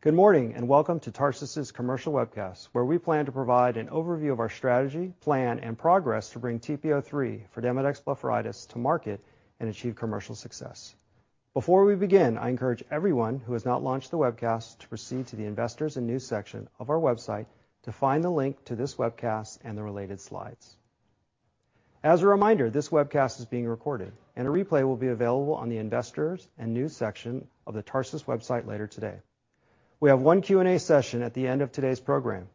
Good morning. Welcome to Tarsus's commercial webcast, where we plan to provide an overview of our strategy, plan, and progress to bring TP-03 for Demodex blepharitis to market and achieve commercial success. Before we begin, I encourage everyone who has not launched the webcast to proceed to the Investors and News section of our website to find the link to this webcast and the related slides. As a reminder, this webcast is being recorded, and a replay will be available on the Investors and News section of the Tarsus website later today. We have one Q&A session at the end of today's program,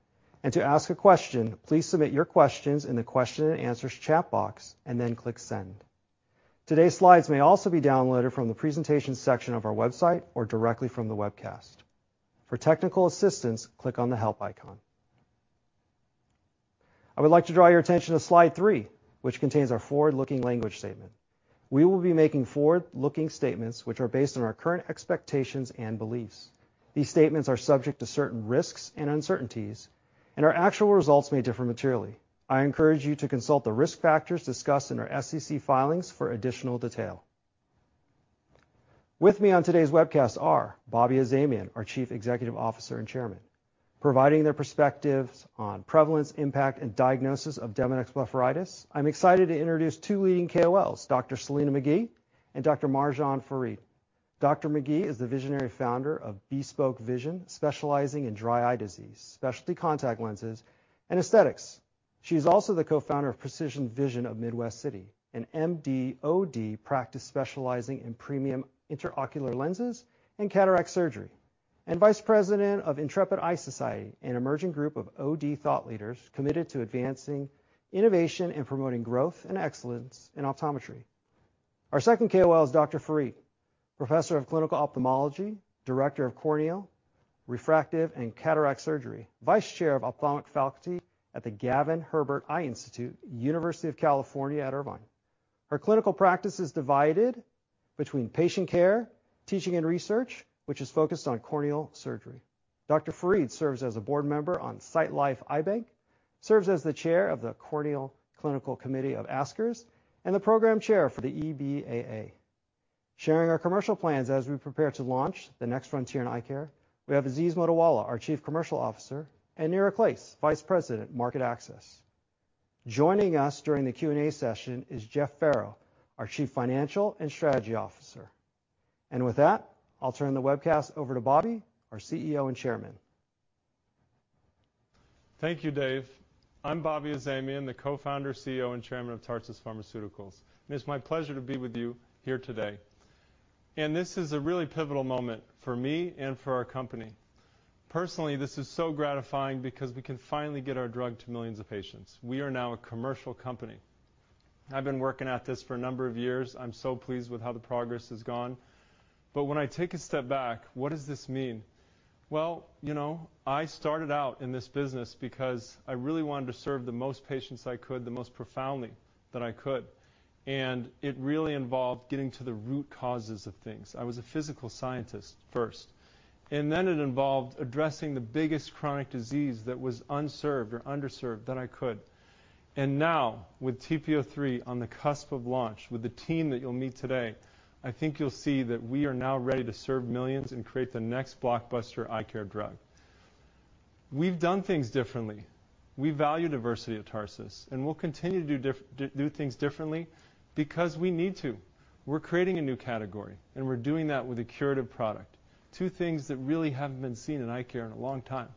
and to ask a question, please submit your questions in the question and answers chat box, and then click send. Today's slides may also be downloaded from the presentations section of our website or directly from the webcast. For technical assistance, click on the help icon. I would like to draw your attention to slide three, which contains our forward-looking language statement. We will be making forward-looking statements which are based on our current expectations and beliefs. These statements are subject to certain risks and uncertainties, and our actual results may differ materially. I encourage you to consult the risk factors discussed in our SEC filings for additional detail. With me on today's webcast are Bobby Azamian, our Chief Executive Officer and Chairman. Providing their perspectives on prevalence, impact, and diagnosis of Demodex blepharitis, I'm excited to introduce two leading KOLs, Dr. Selina McGee and Dr. Marjan Farid. Dr. McGee is the visionary founder of BeSpoke Vision, specializing in dry eye disease, specialty contact lenses, and aesthetics. She's also the co-founder of Precision Vision of Midwest City, an MD/OD practice specializing in premium intraocular lenses and cataract surgery, and Vice President of Intrepid Eye Society, an emerging group of OD thought leaders committed to advancing innovation and promoting growth and excellence in optometry. Our second KOL is Dr. Farid, Professor of Clinical Ophthalmology, Director of Corneal, Refractive, and Cataract Surgery, Vice Chair of Ophthalmic Faculty at the Gavin Herbert Eye Institute, University of California, Irvine. Her clinical practice is divided between patient care, teaching, and research, which is focused on corneal surgery. Dr. Farid serves as a board member on SightLife, serves as the chair of the Corneal Clinical Committee of ASCRS, and the program chair for the EBAA. Sharing our commercial plans as we prepare to launch the next frontier in eye care, we have Aziz Mottiwala, our Chief Commercial Officer, and Neera Clase, Vice President, Market Access. Joining us during the Q&A session is Jeff Farrow, our Chief Financial and Strategy Officer. With that, I'll turn the webcast over to Bobby, our CEO and Chairman. Thank you, Dave. I'm Bobby Azamian, the co-founder, CEO, and chairman of Tarsus Pharmaceuticals, and it's my pleasure to be with you here today. This is a really pivotal moment for me and for our company. Personally, this is so gratifying because we can finally get our drug to millions of patients. We are now a commercial company. I've been working at this for a number of years. I'm so pleased with how the progress has gone. When I take a step back, what does this mean? You know, I started out in this business because I really wanted to serve the most patients I could, the most profoundly that I could, and it really involved getting to the root causes of things. I was a physical scientist first, and then it involved addressing the biggest chronic disease that was unserved or underserved that I could. Now, with TP-03 on the cusp of launch, with the team that you'll meet today, I think you'll see that we are now ready to serve millions and create the next Blockbuster eye care drug. We've done things differently. We value diversity at Tarsus, and we'll continue to do things differently because we need to. We're creating a new category, and we're doing that with a curative product. Two things that really haven't been seen in eye care in a long time.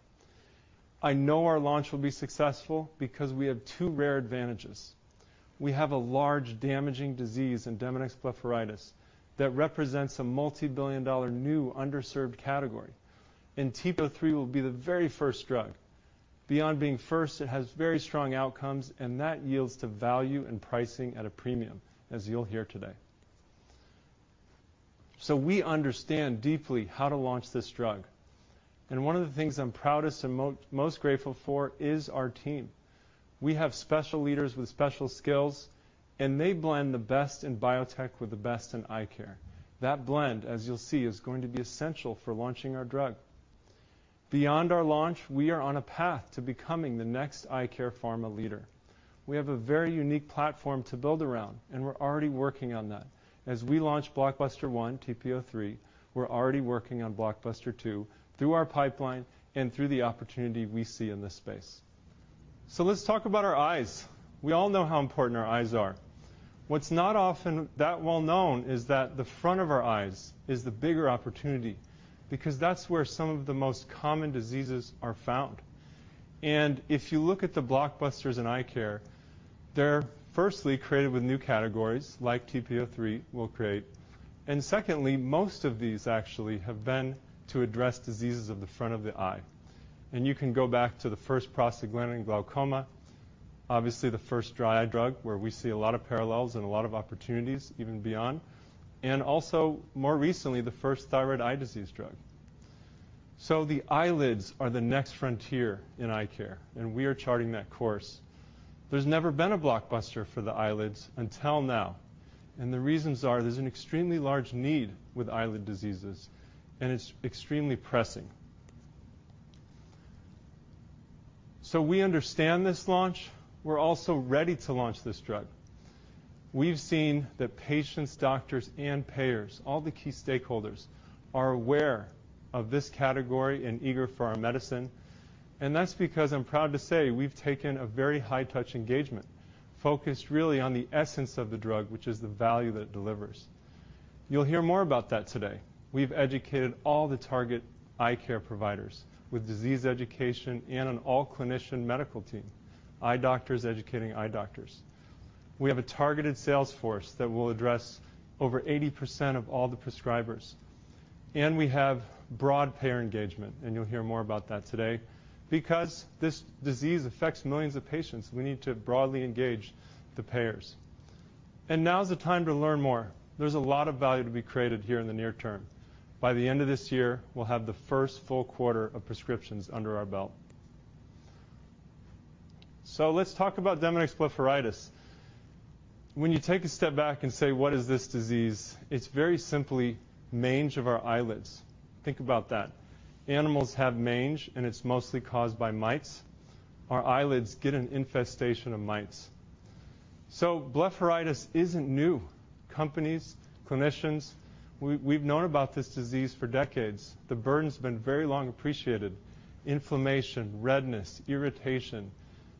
I know our launch will be successful because we have two rare advantages. We have a large, damaging disease in Demodex blepharitis that represents a multi-billion dollar, new, underserved category, and TP-03 will be the very first drug. Beyond being first, it has very strong outcomes, and that yields to value and pricing at a premium, as you'll hear today. We understand deeply how to launch this drug, and one of the things I'm proudest and most grateful for is our team. We have special leaders with special skills, and they blend the best in biotech with the best in eye care. That blend, as you'll see, is going to be essential for launching our drug. Beyond our launch, we are on a path to becoming the next eye care pharma leader. We have a very unique platform to build around, and we're already working on that. As we launch Blockbuster One, TP-03, we're already working on Blockbuster Two through our pipeline and through the opportunity we see in this space. Let's talk about our eyes. We all know how important our eyes are. What's not often that well known is that the front of our eyes is the bigger opportunity because that's where some of the most common diseases are found. If you look at the Blockbusters in eye care, they're firstly created with new categories, like TP-03 will create. Secondly, most of these actually have been to address diseases of the front of the eye. You can go back to the first prostaglandin glaucoma, obviously the first dry eye drug, where we see a lot of parallels and a lot of opportunities even beyond, and also more recently, the first thyroid eye disease drug. The eyelids are the next frontier in eye care, and we are charting that course. There's never been a Blockbuster for the eyelids until now, and the reasons are, there's an extremely large need with eyelid diseases, and it's extremely pressing. We understand this launch. We're also ready to launch this drug. We've seen that patients, doctors, and payers, all the key stakeholders, are aware of this category and eager for our medicine. That's because I'm proud to say we've taken a very high-touch engagement, focused really on the essence of the drug, which is the value that it delivers. You'll hear more about that today. We've educated all the target eye care providers with disease education and an all-clinician medical team, eye doctors educating eye doctors. We have a targeted sales force that will address over 80% of all the prescribers. We have broad payer engagement, and you'll hear more about that today. Because this disease affects millions of patients, we need to broadly engage the payers. Now is the time to learn more. There's a lot of value to be created here in the near term. By the end of this year, we'll have the first full quarter of prescriptions under our belt. Let's talk about Demodex blepharitis. When you take a step back and say, what is this disease? It's very simply mange of our eyelids. Think about that. Animals have mange, and it's mostly caused by mites. Our eyelids get an infestation of mites. blepharitis isn't new. Companies, clinicians, we've known about this disease for decades. The burden's been very long appreciated. Inflammation, redness, irritation,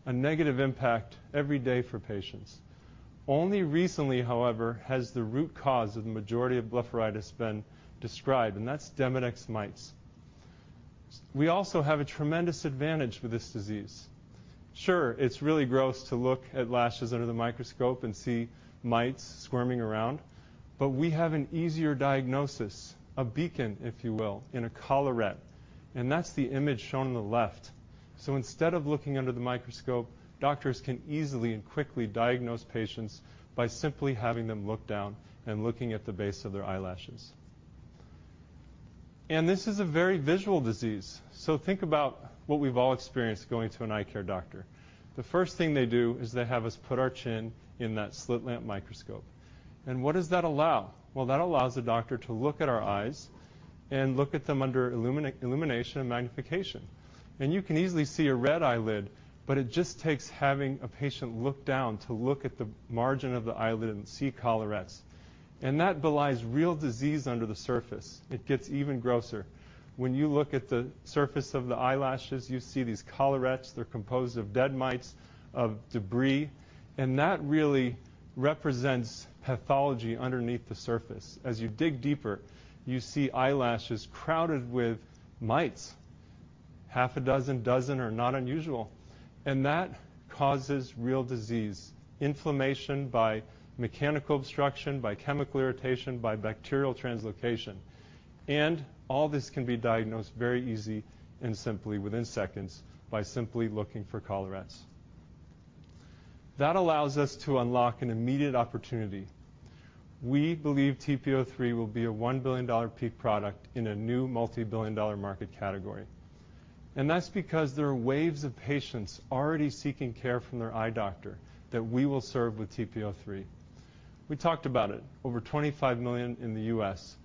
a negative impact every day for patients. Only recently, however, has the root cause of the majority of blepharitis been described, and that's Demodex mites. We also have a tremendous advantage with this disease. It's really gross to look at lashes under the microscope and see mites squirming around. We have an easier diagnosis, a beacon, if you will, in a collarette. That's the image shown on the left. Instead of looking under the microscope, doctors can easily and quickly diagnose patients by simply having them look down and looking at the base of their eyelashes. This is a very visual disease. Think about what we've all experienced going to an eye care doctor. The first thing they do is they have us put our chin in that slit lamp microscope. What does that allow? Well, that allows the doctor to look at our eyes and look at them under illumination and magnification. You can easily see a red eyelid, but it just takes having a patient look down to look at the margin of the eyelid and see collarettes. That belies real disease under the surface. It gets even grosser. When you look at the surface of the eyelashes, you see these collarettes. They're composed of dead mites, of debris, and that really represents pathology underneath the surface. As you dig deeper, you see eyelashes crowded with mites. Half a dozen are not unusual, and that causes real disease, inflammation by mechanical obstruction, by chemical irritation, by bacterial translocation. All this can be diagnosed very easy and simply within seconds by simply looking for collarettes. That allows us to unlock an immediate opportunity. We believe TP-03 will be a $1 billion peak product in a new multi-billion dollar market category. That's because there are waves of patients already seeking care from their eye doctor that we will serve with TP-03. We talked about it, over $25 million in the U.S.,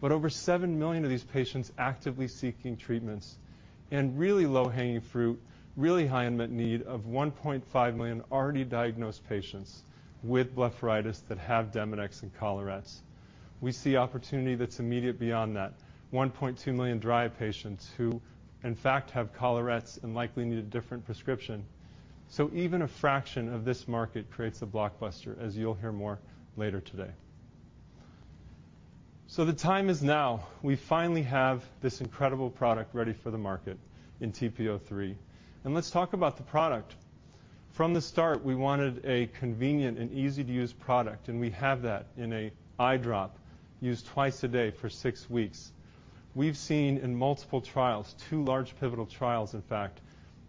but over $7 million of these patients actively seeking treatments and really low-hanging fruit, really high, and met need of $1.5 million already diagnosed patients with blepharitis that have Demodex and collarettes. We see opportunity that's immediate beyond that. $1.2 million dry eye patients who, in fact, have collarettes and likely need a different prescription. Even a fraction of this market creates a Blockbuster, as you'll hear more later today. The time is now. We finally have this incredible product ready for the market in TP-03. Let's talk about the product. From the start, we wanted a convenient and easy-to-use product, and we have that in a eye drop used twice a day for six weeks. We've seen in multiple trials, two large pivotal trials, in fact,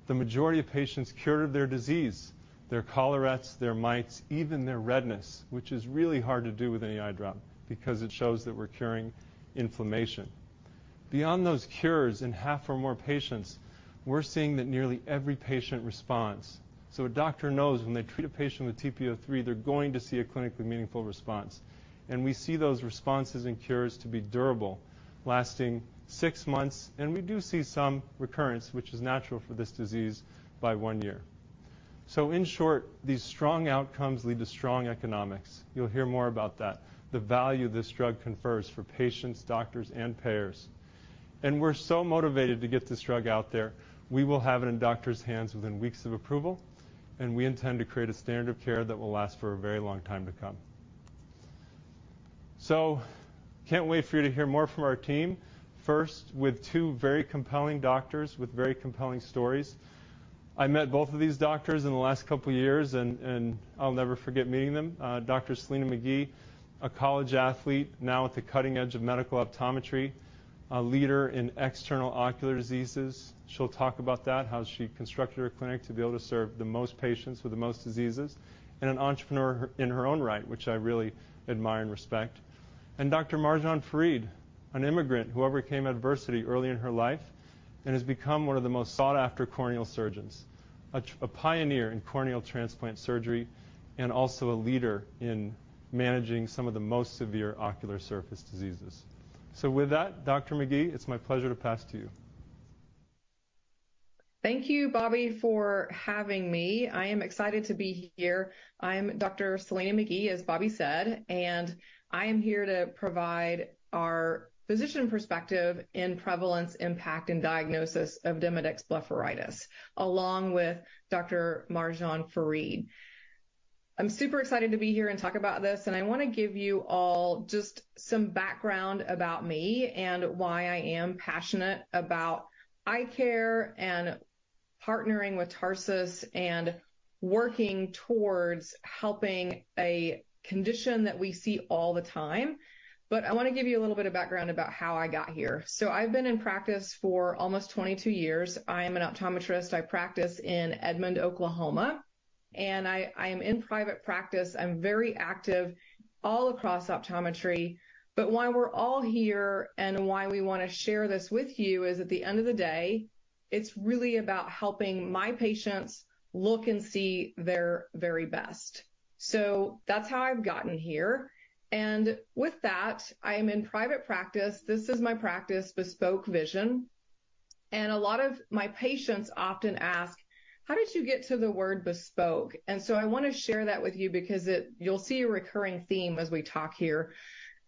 the majority of patients cured of their disease, their collarettes, their mites, even their redness, which is really hard to do with any eye drop because it shows that we're curing inflammation. Beyond those cures in half or more patients, we're seeing that nearly every patient responds. A doctor knows when they treat a patient with TP-03, they're going to see a clinically meaningful response. We see those responses and cures to be durable, lasting six months, and we do see some recurrence, which is natural for this disease, by one year. In short, these strong outcomes lead to strong economics. You'll hear more about that, the value this drug confers for patients, doctors, and payers. We're so motivated to get this drug out there, we will have it in doctors' hands within weeks of approval, and we intend to create a standard of care that will last for a very long time to come. Can't wait for you to hear more from our team, first, with two very compelling doctors with very compelling stories. I met both of these doctors in the last couple of years, and I'll never forget meeting them. Dr. Selina McGee, a college athlete, now at the cutting edge of medical optometry, a leader in external ocular diseases. She'll talk about that, how she constructed her clinic to be able to serve the most patients with the most diseases, an entrepreneur in her own right, which I really admire and respect. Dr. Marjan Farid, an immigrant who overcame adversity early in her life and has become one of the most sought-after corneal surgeons, a pioneer in corneal transplant surgery, and also a leader in managing some of the most severe ocular surface diseases. With that, Dr. Selina McGee, it's my pleasure to pass to you. Thank you, Bobby, for having me. I am excited to be here. I am Dr. Selina McGee, as Bobby said, and I am here to provide our physician's perspective in prevalence, impact, and diagnosis of Demodex blepharitis, along with Dr. Marjan Farid. I'm super excited to be here and talk about this, and I wanna give you all just some background about me and why I am passionate about eye care and partnering with Tarsus, and working towards helping a condition that we see all the time. I wanna give you a little bit of background about how I got here. I've been in practice for almost 22 years. I am an optometrist. I practice in Edmond, Oklahoma, and I am in private practice. I'm very active all across optometry. Why we're all here and why we wanna share this with you is, at the end of the day, it's really about helping my patients look and see their very best. That's how I've gotten here, and with that, I am in private practice. This is my practice, BeSpoke Vision, and a lot of my patients often ask: "How did you get to the word bespoke?" I wanna share that with you because you'll see a recurring theme as we talk here.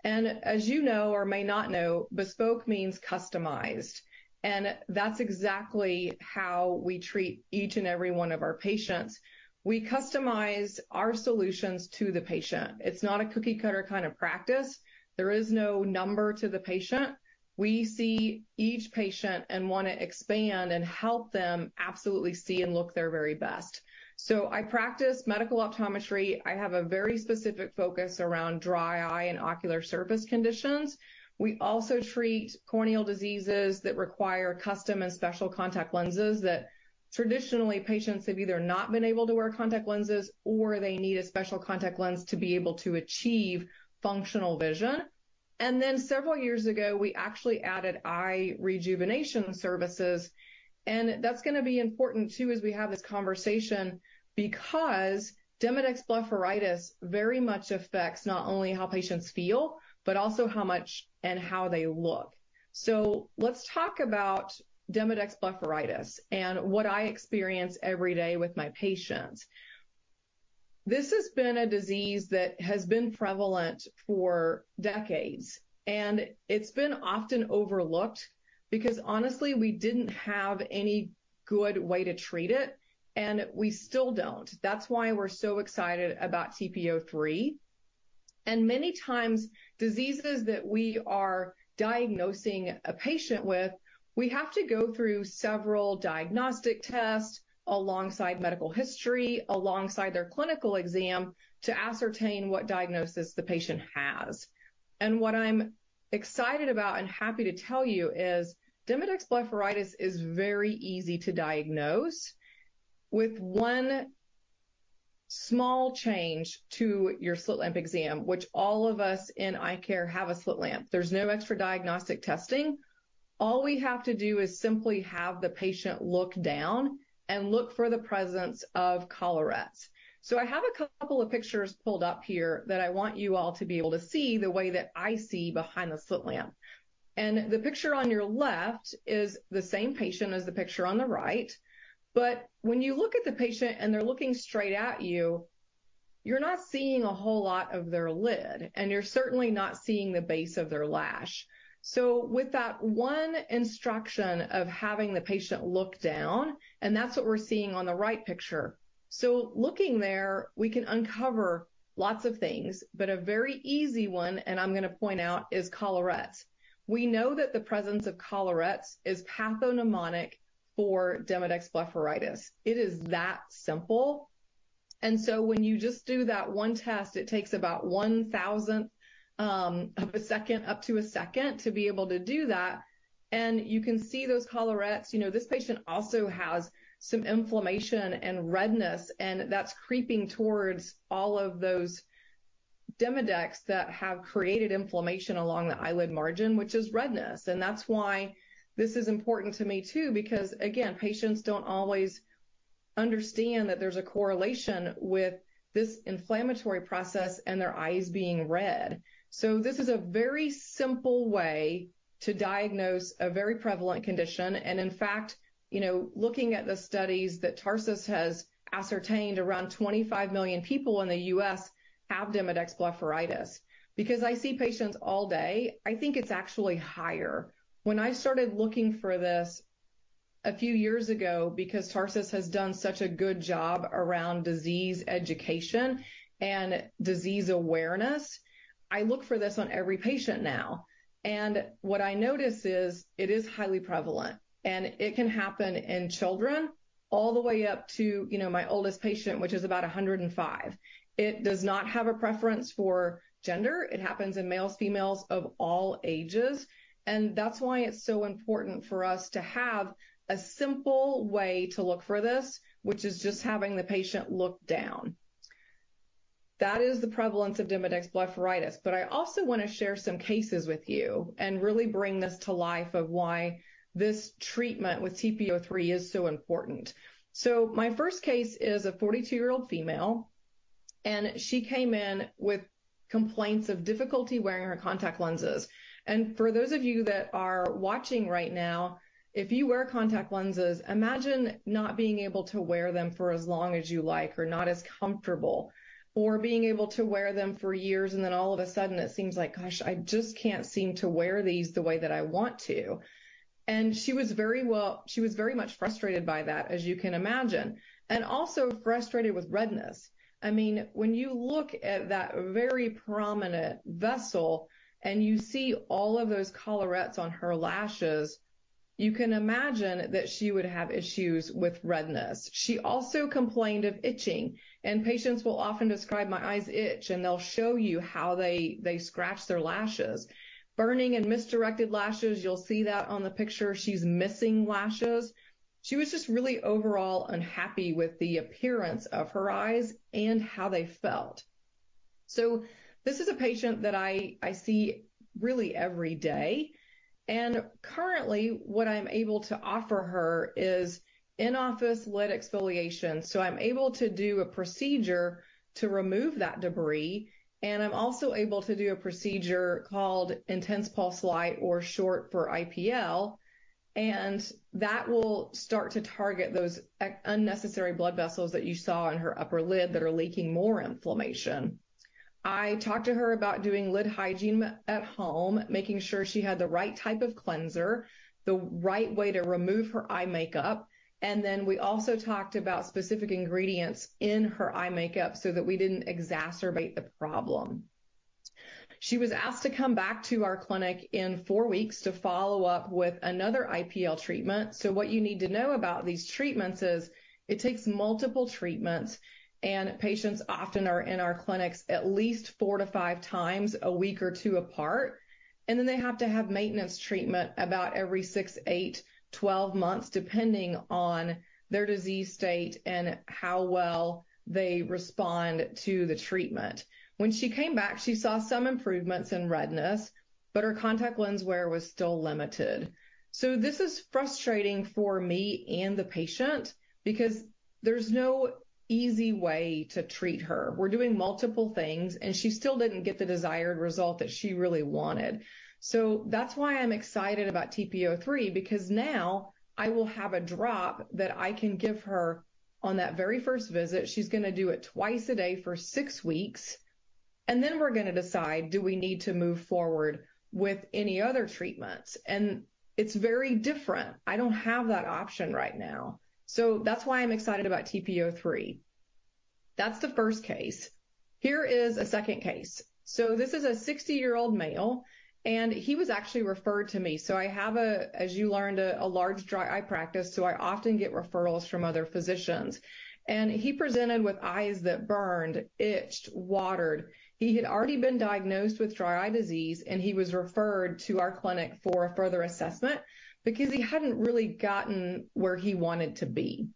As you know or may not know, bespoke means customized, and that's exactly how we treat each and every one of our patients. We customize our solutions to the patient. It's not a cookie-cutter kind of practice. There is no number to the patient. We see each patient and wanna expand and help them absolutely see and look their very best. I practice medical optometry. I have a very specific focus around dry eye and ocular surface conditions. We also treat corneal diseases that require custom and special contact lenses, that traditionally, patients have either not been able to wear contact lenses, or they need a special contact lens to be able to achieve functional vision. Several years ago, we actually added eye rejuvenation services, and that's gonna be important, too, as we have this conversation, because Demodex blepharitis very much affects not only how patients feel, but also how much and how they look. Let's talk about Demodex blepharitis and what I experience every day with my patients. This has been a disease that has been prevalent for decades, and it's been often overlooked because, honestly, we didn't have any good way to treat it, and we still don't. That's why we're so excited about TP-03. Many times, diseases that we are diagnosing a patient with, we have to go through several diagnostic tests alongside medical history, alongside their clinical exam, to ascertain what diagnosis the patient has. What I'm excited about and happy to tell you is Demodex blepharitis is very easy to diagnose with one small change to your slit lamp exam, which all of us in eye care have a slit lamp. There's no extra diagnostic testing. All we have to do is simply have the patient look down and look for the presence of collarettes. I have a couple of pictures pulled up here that I want you all to be able to see the way that I see behind the slit lamp. The picture on your left is the same patient as the picture on the right, but when you look at the patient and they're looking straight at you're not seeing a whole lot of their lid, and you're certainly not seeing the base of their lash. With that one instruction of having the patient look down, that's what we're seeing on the right picture. Looking there, we can uncover lots of things, but a very easy one, and I'm gonna point out, is collarette. We know that the presence of collarettes is pathognomonic for Demodex blepharitis. It is that simple. When you just do that one test, it takes about one-thousandth of a second, up to one second, to be able to do that. You can see those collarettes. You know, this patient also has some inflammation and redness, that's creeping towards all of those Demodex that have created inflammation along the eyelid margin, which is redness. That's why this is important to me, too, because, again, patients don't always understand that there's a correlation with this inflammatory process and their eyes being red. This is a very simple way to diagnose a very prevalent condition. In fact, you know, looking at the studies that Tarsus has ascertained, around 25 million people in the U.S. have Demodex blepharitis. Because I see patients all day, I think it's actually higher. When I started looking for this a few years ago, because Tarsus has done such a good job around disease education and disease awareness, I look for this on every patient now. What I notice is it is highly prevalent, and it can happen in children all the way up to, you know, my oldest patient, which is about 105. It does not have a preference for gender. It happens in males, females of all ages, and that's why it's so important for us to have a simple way to look for this, which is just having the patient look down. That is the prevalence of Demodex blepharitis. I also wanna share some cases with you and really bring this to life, of why this treatment with TP-03 is so important. My first case is a 42-year-old female, and she came in with complaints of difficulty wearing her contact lenses. For those of you that are watching right now, if you wear contact lenses, imagine not being able to wear them for as long as you like, or not as comfortable, or being able to wear them for years, and then all of a sudden it seems like: Gosh, I just can't seem to wear these the way that I want to. She was very much frustrated by that, as you can imagine, and also frustrated with redness. I mean, when you look at that very prominent vessel, and you see all of those collarettes on her lashes, you can imagine that she would have issues with redness. She also complained of itching, and patients will often describe, "My eyes itch," and they'll show you how they scratch their lashes. Burning and misdirected lashes, you'll see that on the picture. She's missing lashes. She was just really overall unhappy with the appearance of her eyes and how they felt. This is a patient that I see really every day, and currently, what I'm able to offer her is in-office lid exfoliation. I'm able to do a procedure to remove that debris, and I'm also able to do a procedure called intense pulsed light or short for IPL, and that will start to target those unnecessary blood vessels that you saw in her upper lid that are leaking more inflammation. I talked to her about doing lid hygiene at home, making sure she had the right type of cleanser, the right way to remove her eye makeup, we also talked about specific ingredients in her eye makeup so that we didn't exacerbate the problem. She was asked to come back to our clinic in four weeks to follow up with another IPL treatment. What you need to know about these treatments is, it takes multiple treatments, and patients often are in our clinics at least four to five times, a week or two apart, and then they have to have maintenance treatment about every six, eight, 12 months, depending on their disease state and how well they respond to the treatment. When she came back, she saw some improvements in redness, but her contact lens wear was still limited. This is frustrating for me and the patient because there's no easy way to treat her. We're doing multiple things, and she still didn't get the desired result that she really wanted. That's why I'm excited about TP-03, because now I will have a drop that I can give her on that very first visit. She's going to do it twice a day for six weeks, and then we're going to decide, do we need to move forward with any other treatments? It's very different. I don't have that option right now. That's why I'm excited about TP-03. That's the first case. Here is a second case. This is a 60-year-old male, and he was actually referred to me. I have a, as you learned, a large dry eye practice, so I often get referrals from other physicians. He presented with eyes that burned, itched, watered. He had already been diagnosed with Demodex blepharitis, and he was referred to our clinic for a further assessment because he hadn't really gotten where he wanted to be.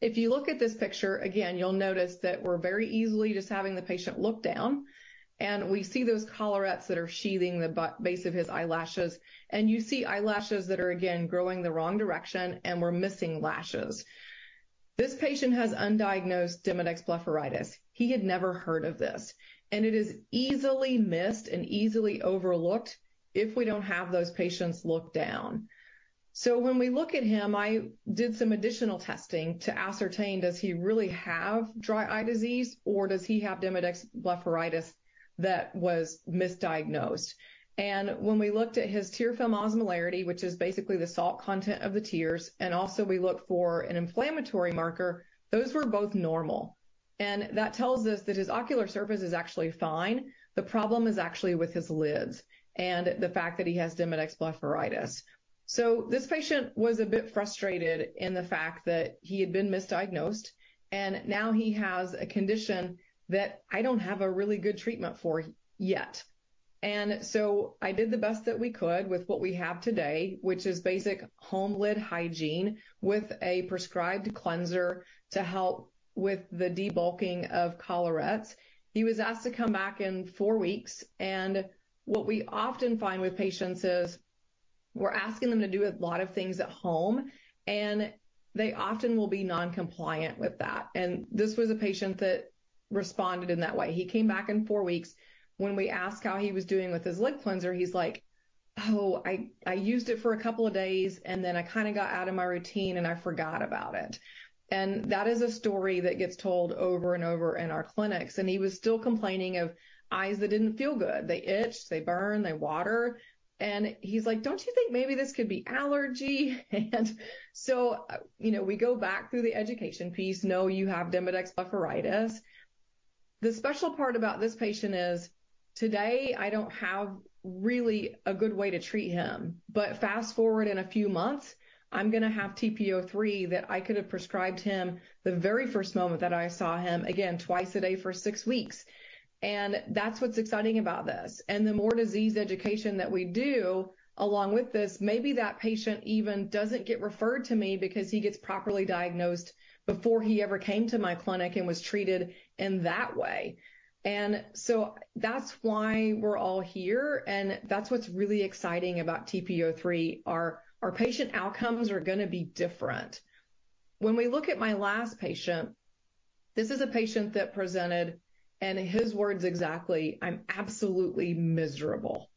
If you look at this picture, again, you'll notice that we're very easily just having the patient look down, and we see those collarettes that are sheathing the base of his eyelashes, and you see eyelashes that are, again, growing the wrong direction, and we're missing lashes. This patient has undiagnosed Demodex blepharitis. He had never heard of this, it is easily missed and easily overlooked if we don't have those patients look down. When we look at him, I did some additional testing to ascertain, does he really have dry eye disease, or does he have Demodex blepharitis that was misdiagnosed. When we looked at his tear film osmolarity, which is basically the salt content of the tears, and also we looked for an inflammatory marker, those were both normal. That tells us that his ocular surface is actually fine. The problem is actually with his lids and the fact that he has Demodex blepharitis. This patient was a bit frustrated in the fact that he had been misdiagnosed, and now he has a condition that I don't have a really good treatment for yet. I did the best that we could with what we have today, which is basic home lid hygiene with a prescribed cleanser to help with the debulking of collarettes. He was asked to come back in four weeks, and what we often find with patients is we're asking them to do a lot of things at home, and they often will be non-compliant with that. This was a patient that responded in that way. He came back in four weeks. When we asked how he was doing with his lid cleanser, he's like, "Oh, I used it for a couple of days, and then I kind of got out of my routine, and I forgot about it." That is a story that gets told over and over in our clinics, and he was still complaining of eyes that didn't feel good. They itch, they burn, they water, and he's like, "Don't you think maybe this could be allergy?" You know, we go back through the education piece. "No, you have Demodex blepharitis." The special part about this patient is, today, I don't have really a good way to treat him. Fast-forward in a few months, I'm going to have TP-03 that I could have prescribed him the very first moment that I saw him, again, twice a day for six weeks. That's what's exciting about this. The more disease education that we do along with this, maybe that patient even doesn't get referred to me because he gets properly diagnosed before he ever came to my clinic and was treated in that way. That's why we're all here, and that's what's really exciting about TP-03. Our patient outcomes are going to be different. When we look at my last patient, this is a patient that presented, in his words exactly, "I'm absolutely miserable."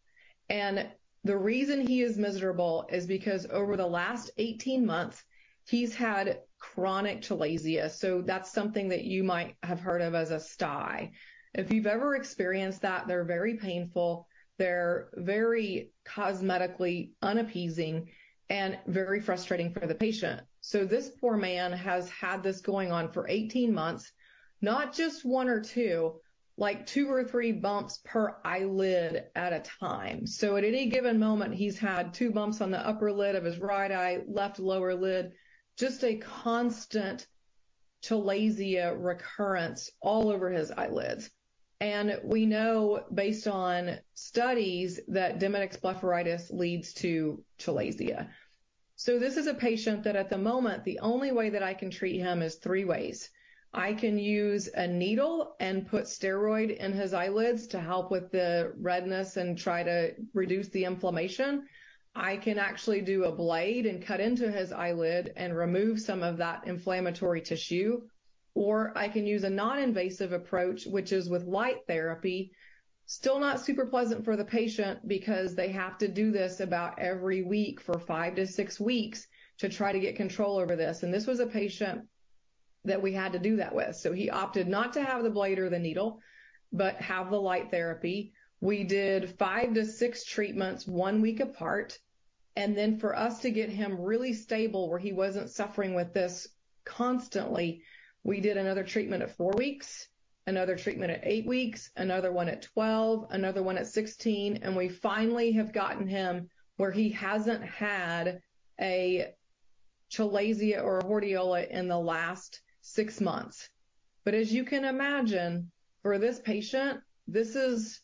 The reason he is miserable is because over the last 18 months, he's had chronic chalazia. That's something that you might have heard of as a stye. If you've ever experienced that, they're very painful, they're very cosmetically unappeasing, and very frustrating for the patient. This poor man has had this going on for 18 months, not just one or two, like two or three bumps per eyelid at a time. At any given moment, he's had two bumps on the upper lid of his right eye, left lower lid, just a constant chalazia recurrence all over his eyelids. We know based on studies that Demodex blepharitis leads to chalazia. This is a patient that, at the moment, the only way that I can treat him is three ways. I can use a needle and put steroid in his eyelids to help with the redness and try to reduce the inflammation. I can actually do a blade and cut into his eyelid and remove some of that inflammatory tissue, or I can use a non-invasive approach, which is with light therapy. Still not super pleasant for the patient because they have to do this about every week for five to six weeks to try to get control over this. This was a patient that we had to do that with. He opted not to have the blade or the needle, but have the light therapy. We did five to six treatments, one week apart, and then for us to get him really stable, where he wasn't suffering with this constantly, we did another treatment at four weeks, another treatment at eight weeks, another one at 12, another one at 16, and we finally have gotten him where he hasn't had a chalazia or a hordeola in the last six months. As you can imagine, for this patient, this is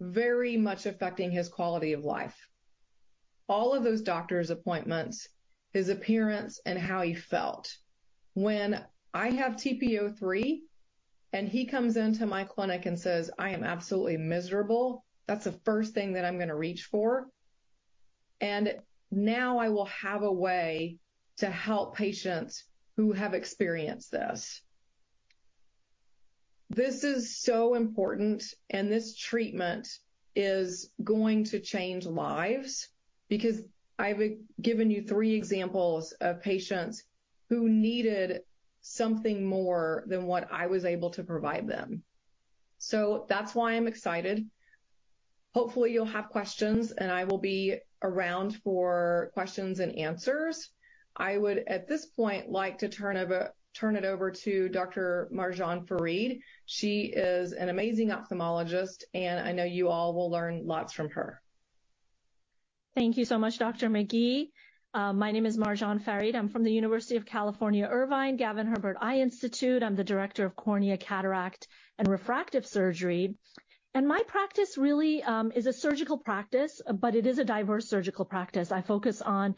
very much affecting his quality of life. All of those doctors' appointments, his appearance, and how he felt. When I have TP-03 and he comes into my clinic and says, "I am absolutely miserable," that's the first thing that I'm going to reach for, and now I will have a way to help patients who have experienced this. This is so important, this treatment is going to change lives, because I've given you three examples of patients who needed something more than what I was able to provide them. That's why I'm excited. Hopefully, you'll have questions, and I will be around for questions and answers. I would, at this point, like to turn it over to Dr. Marjan Farid. She is an amazing ophthalmologist, I know you all will learn lots from her. Thank you so much, Dr. McGee. My name is Marjan Farid. I'm from the University of California, Irvine, Gavin Herbert Eye Institute. I'm the director of cornea, cataract, and refractive surgery. My practice really is a surgical practice, but it is a diverse surgical practice. I focus on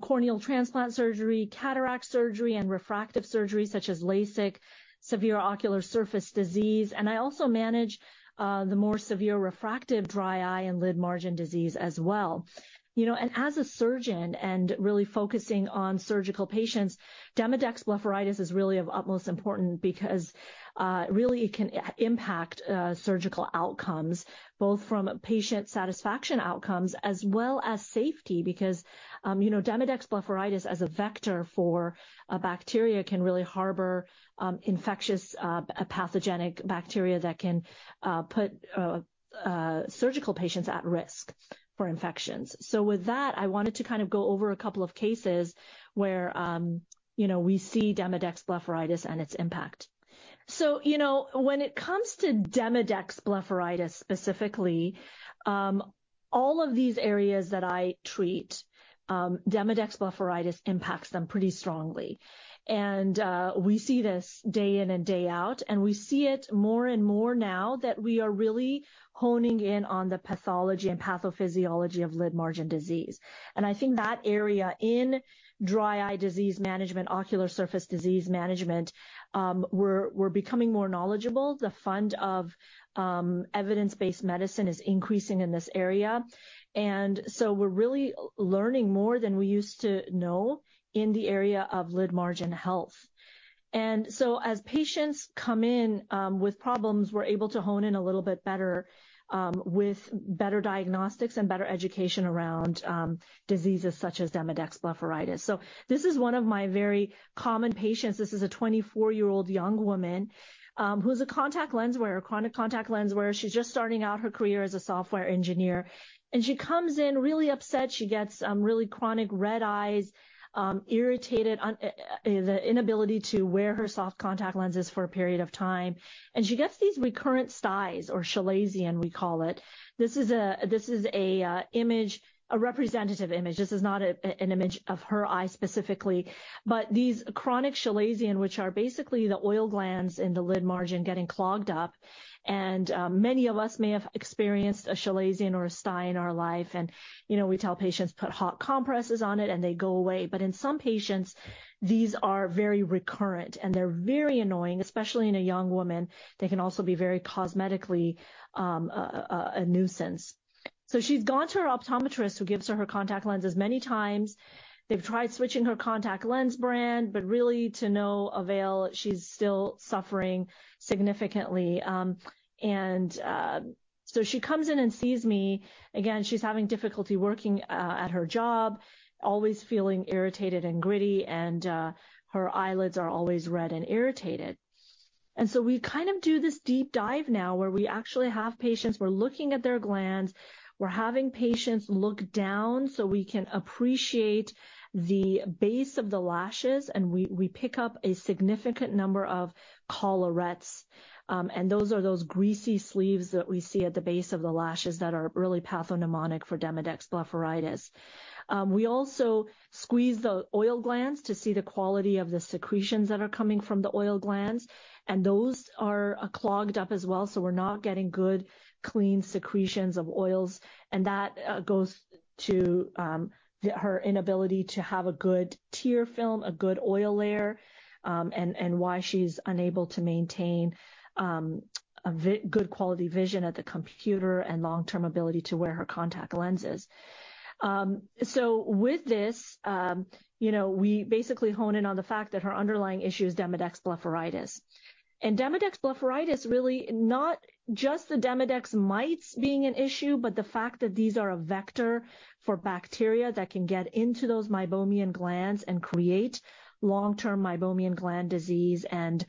corneal transplant surgery, cataract surgery, and refractive surgery, such as LASIK, severe ocular surface disease, and I also manage the more severe refractive dry eye and lid margin disease as well. You know, as a surgeon and really focusing on surgical patients, Demodex blepharitis is really of utmost important because it really can impact surgical outcomes, both from patient satisfaction outcomes as well as safety, because, you know, Demodex blepharitis, as a vector for a bacteria, can really harbor infectious pathogenic bacteria that can put surgical patients at risk for infections. With that, I wanted to kind of go over a couple of cases where, you know, we see Demodex blepharitis and its impact. You know, when it comes to Demodex blepharitis specifically, all of these areas that I treat, Demodex blepharitis impacts them pretty strongly. We see this day in and day out, and we see it more and more now that we are really honing in on the pathology and pathophysiology of lid margin disease. I think that area in dry eye disease management, ocular surface disease management, we're becoming more knowledgeable. The fund of evidence-based medicine is increasing in this area, we're really learning more than we used to know in the area of lid margin health. As patients come in, with problems, we're able to hone in a little bit better, with better diagnostics and better education around diseases such as Demodex blepharitis. This is one of my very common patients. This is a 24-year-old young woman, who's a contact lens wearer, chronic contact lens wearer. She's just starting out her career as a software engineer, she comes in really upset. She gets really chronic red eyes, irritated, the inability to wear her soft contact lenses for a period of time, she gets these recurrent styes or chalazion, we call it. This is a representative image. This is not an image of her eye specifically, but these chronic chalazion, which are basically the oil glands in the lid margin getting clogged up, many of us may have experienced a chalazion or a stye in our life. You know, we tell patients, put hot compresses on it, they go away. In some patients, these are very recurrent, and they're very annoying, especially in a young woman. They can also be very cosmetically a nuisance. She's gone to her optometrist, who gives her contact lenses many times. They've tried switching her contact lens brand, but really to no avail. She's still suffering significantly, and she comes in and sees me. Again, she's having difficulty working at her job, always feeling irritated and gritty and her eyelids are always red and irritated. We kind of do this deep dive now, where we actually have patients, we're looking at their glands. We're having patients look down so we can appreciate the base of the lashes, and we pick up a significant number of collarettes. Those are those greasy sleeves that we see at the base of the lashes that are really pathognomonic for Demodex blepharitis. We also squeeze the oil glands to see the quality of the secretions that are coming from the oil glands. Those are clogged up as well, so we're not getting good, clean secretions of oils. That goes to her inability to have a good tear film, a good oil layer, and why she's unable to maintain good quality vision at the computer and long-term ability to wear her contact lenses. With this, you know, we basically hone in on the fact that her underlying issue is Demodex blepharitis. Demodex blepharitis is really not just the Demodex mites being an issue, but the fact that these are a vector for bacteria that can get into those meibomian glands and create long-term meibomian gland disease and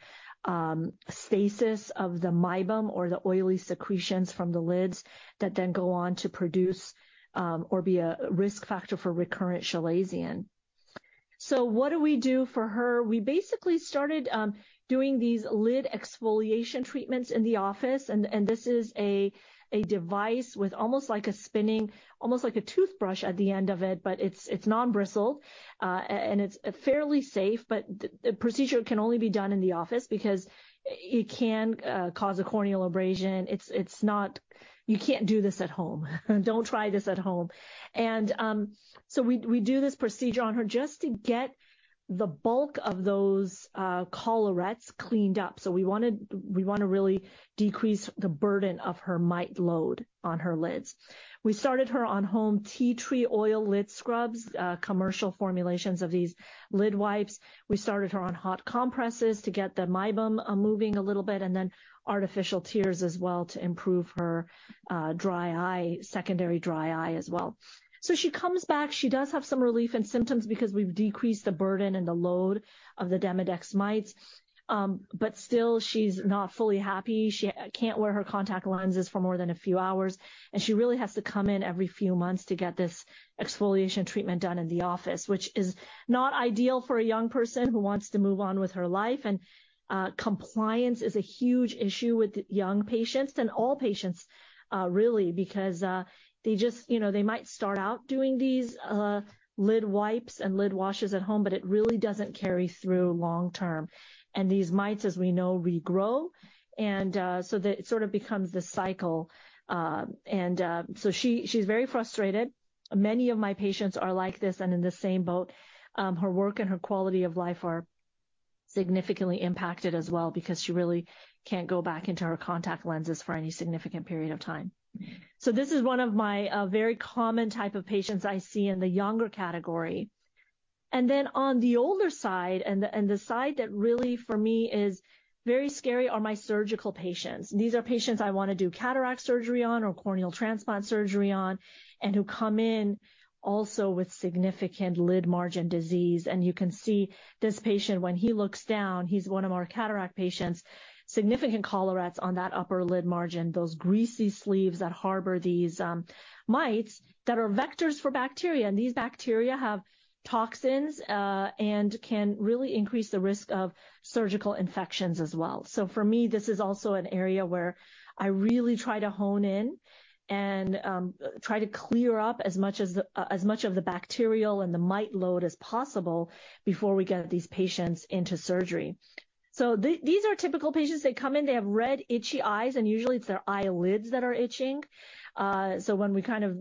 stasis of the meibum or the oily secretions from the lids that then go on to produce or be a risk factor for recurrent chalazion. What do we do for her? We basically started doing these lid exfoliation treatments in the office, and this is a device with almost like a spinning, almost like a toothbrush at the end of it, but it's non-bristled. And it's fairly safe, but the procedure can only be done in the office because it can cause a corneal abrasion. You can't do this at home. Don't try this at home. We do this procedure on her just to get the bulk of those collarettes cleaned up. We wanna really decrease the burden of her mite load on her lids. We started her on home tea tree oil lid scrubs, commercial formulations of these lid wipes. We started her on hot compresses to get the meibum moving a little bit and then artificial tears as well to improve her dry eye, secondary dry eye as well. She comes back. She does have some relief in symptoms because we've decreased the burden and the load of the Demodex mites. Still, she's not fully happy. She can't wear her contact lenses for more than a few hours, and she really has to come in every few months to get this exfoliation treatment done in the office, which is not ideal for a young person who wants to move on with her life. Compliance is a huge issue with young patients and all patients, really, because they just, you know, they might start out doing these lid wipes and lid washes at home, but it really doesn't carry through long-term. These mites, as we know, regrow, and so that it sort of becomes this cycle. She's very frustrated. Many of my patients are like this and in the same boat. Her work and her quality of life are significantly impacted as well because she really can't go back into her contact lenses for any significant period of time. This is one of my very common type of patients I see in the younger category. Then on the older side, and the side that really for me is very scary, are my surgical patients. These are patients I want to do cataract surgery on or corneal transplant surgery on and who come in also with significant lid margin disease. You can see this patient, when he looks down, he's one of our cataract patients, significant collarettes on that upper lid margin, those greasy sleeves that harbor these mites that are vectors for bacteria, and these bacteria have toxins and can really increase the risk of surgical infections as well. For me, this is also an area where I really try to hone in and try to clear up as much of the bacterial and the mite load as possible before we get these patients into surgery. These are typical patients. They come in, they have red, itchy eyes, and usually it's their eyelids that are itching. When we kind of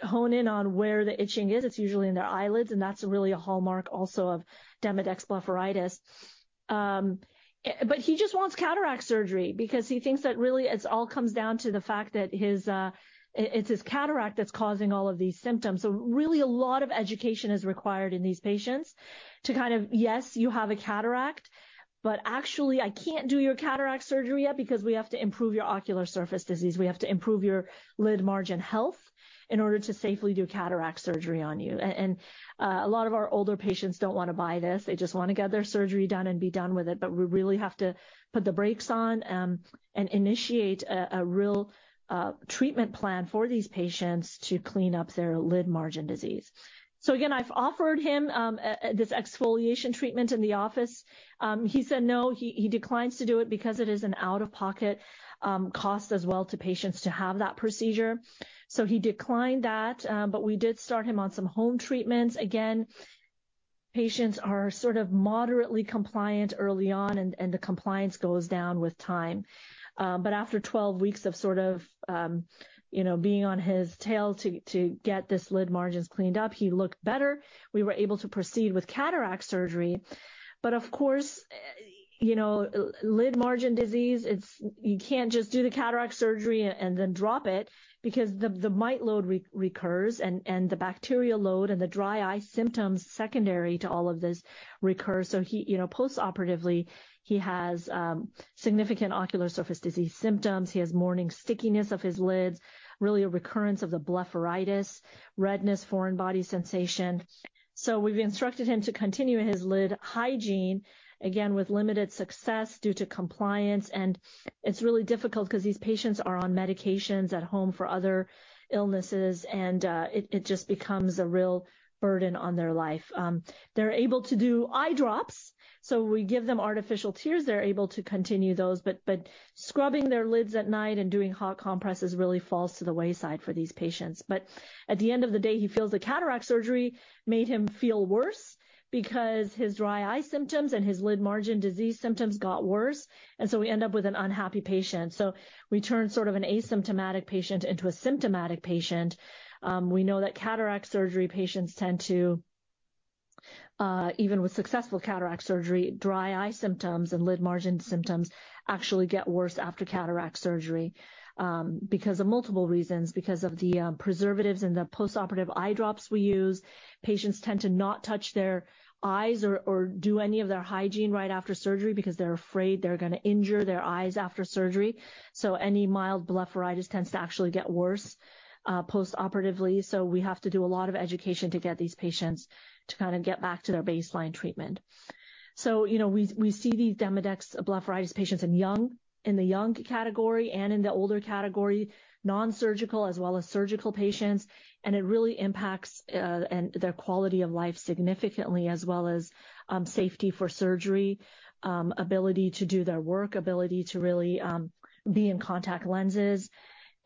hone in on where the itching is, it's usually in their eyelids, and that's really a hallmark also of Demodex blepharitis. He just wants cataract surgery because he thinks that really it's all comes down to the fact that his it's his cataract that's causing all of these symptoms. Really, a lot of education is required in these patients to kind of... Yes, you have a cataract, actually, I can't do your cataract surgery yet because we have to improve your ocular surface disease. We have to improve your lid margin health in order to safely do cataract surgery on you." A lot of our older patients don't want to buy this. They just want to get their surgery done and be done with it, but we really have to put the brakes on and initiate a real treatment plan for these patients to clean up their lid margin disease. Again, I've offered him this exfoliation treatment in the office. He said, "No." He declines to do it because it is an out-of-pocket cost as well to patients to have that procedure. He declined that, but we did start him on some home treatments. Again, patients are sort of moderately compliant early on, and the compliance goes down with time. After 12 weeks of sort of, you know, being on his tail to get his lid margins cleaned up, he looked better. We were able to proceed with cataract surgery. Of course, you know, lid margin disease, you can't just do the cataract surgery and then drop it because the mite load recurs, and the bacterial load and the dry eye symptoms secondary to all of this recur. He, you know, post-operatively, he has significant ocular surface disease symptoms. He has morning stickiness of his lids, really a recurrence of the blepharitis, redness, foreign body sensation. We've instructed him to continue his lid hygiene, again with limited success due to compliance, and it's really difficult because these patients are on medications at home for other illnesses, and it just becomes a real burden on their life. They're able to do artificial tears, they're able to continue those, but scrubbing their lids at night and doing hot compresses really falls to the wayside for these patients. At the end of the day, he feels the cataract surgery made him feel worse because his dry eye symptoms and his lid margin disease symptoms got worse, and so we end up with an unhappy patient. We turn sort of an asymptomatic patient into a symptomatic patient. We know that cataract surgery patients tend to, even with successful cataract surgery, dry eye symptoms and lid margin symptoms actually get worse after cataract surgery, because of multiple reasons. Because of the preservatives and the post-operative eye drops we use, patients tend to not touch their eyes or do any of their hygiene right after surgery because they're afraid they're gonna injure their eyes after surgery. Any mild blepharitis tends to actually get worse, postoperatively. We have to do a lot of education to get these patients to kind of get back to their baseline treatment. You know, we see these Demodex blepharitis patients in the young category and in the older category, non-surgical as well as surgical patients, and it really impacts their quality of life significantly, as well as safety for surgery, ability to do their work, ability to really be in contact lenses.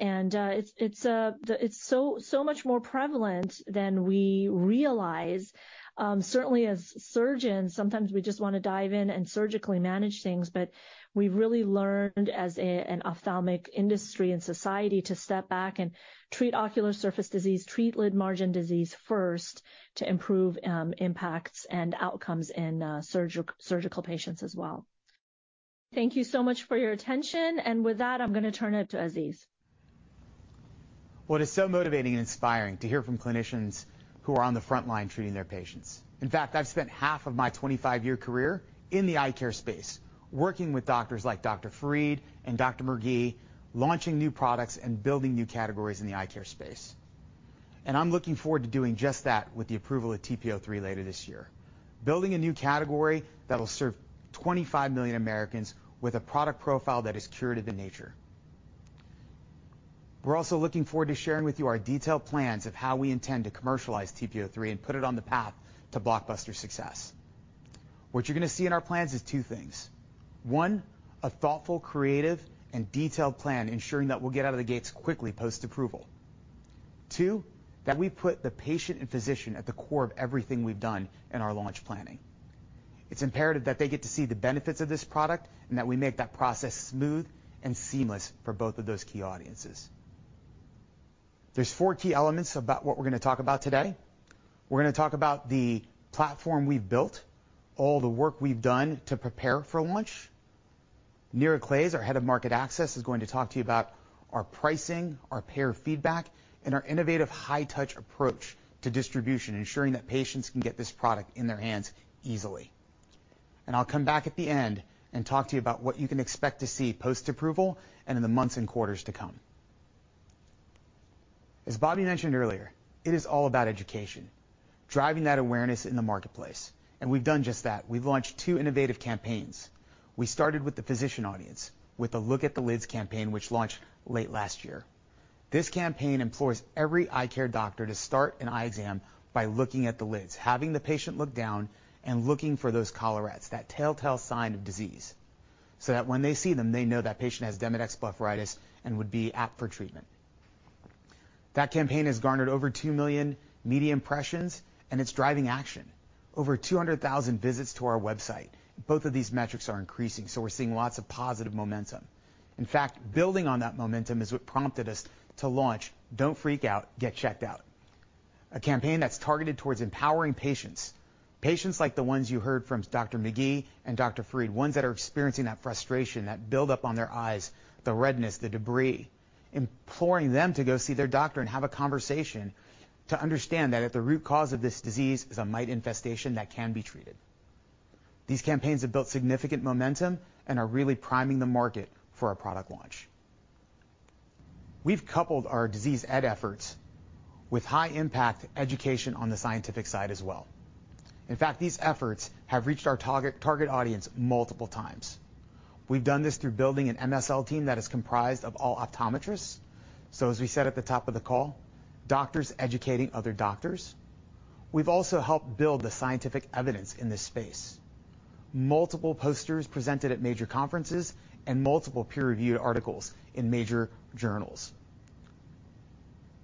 It's so much more prevalent than we realize. Certainly as surgeons, sometimes we just want to dive in and surgically manage things, but we've really learned as an ophthalmic industry and society to step back and treat ocular surface disease, treat lid margin disease first to improve impacts and outcomes in surgical patients as well. Thank you so much for your attention, with that, I'm gonna turn it to Aziz. Well, it is so motivating and inspiring to hear from clinicians who are on the front line treating their patients. In fact, I've spent half of my 25-year career in the eye care space, working with doctors like Dr. Farid and Dr. McGee, launching new products and building new categories in the eye care space. I'm looking forward to doing just that with the approval of TP-03 later this year. Building a new category that will serve 25 million Americans with a product profile that is curative in nature. We're also looking forward to sharing with you our detailed plans of how we intend to commercialize TP-03 and put it on the path to Blockbuster success. What you're gonna see in our plans is two things: One, a thoughtful, creative, and detailed plan ensuring that we'll get out of the gates quickly post-approval. Two, that we put the patient and physician at the core of everything we've done in our launch planning. It's imperative that they get to see the benefits of this product and that we make that process smooth and seamless for both of those key audiences. There's four key elements about what we're gonna talk about today. We're gonna talk about the platform we've built, all the work we've done to prepare for launch. Neera Clase, our Head of Market Access, is going to talk to you about our pricing, our payer feedback, and our innovative high-touch approach to distribution, ensuring that patients can get this product in their hands easily. I'll come back at the end and talk to you about what you can expect to see post-approval and in the months and quarters to come. As Bobby mentioned earlier, it is all about education, driving that awareness in the marketplace. We've done just that. We've launched two innovative campaigns. We started with the physician audience, with a Look at the Lids campaign, which launched late last year. This campaign implores every eye care doctor to start an eye exam by looking at the lids, having the patient look down, and looking for those collarettes, that telltale sign of disease, so that when they see them, they know that the patient has Demodex blepharitis and would be apt for treatment. That campaign has garnered over two million media impressions. It's driving action. Over 200,000 visits to our website. Both of these metrics are increasing. We're seeing lots of positive momentum. In fact, building on that momentum is what prompted us to launch Don't Freak Out, Get Checked Out, a campaign that's targeted towards empowering patients. Patients like the ones you heard from Dr. McGee and Dr. Farid, ones that are experiencing that frustration, that buildup on their eyes, the redness, the debris, imploring them to go see their doctor and have a conversation to understand that if the root cause of this disease is a mite infestation, that can be treated. These campaigns have built significant momentum and are really priming the market for our product launch. We've coupled our disease ed efforts with high-impact education on the scientific side as well. In fact, these efforts have reached our target audience multiple times. We've done this through building an MSL team that is comprised of all optometrists. As we said at the top of the call, doctors educating other doctors. We've also helped build the scientific evidence in this space. Multiple posters presented at major conferences and multiple peer-reviewed articles in major journals.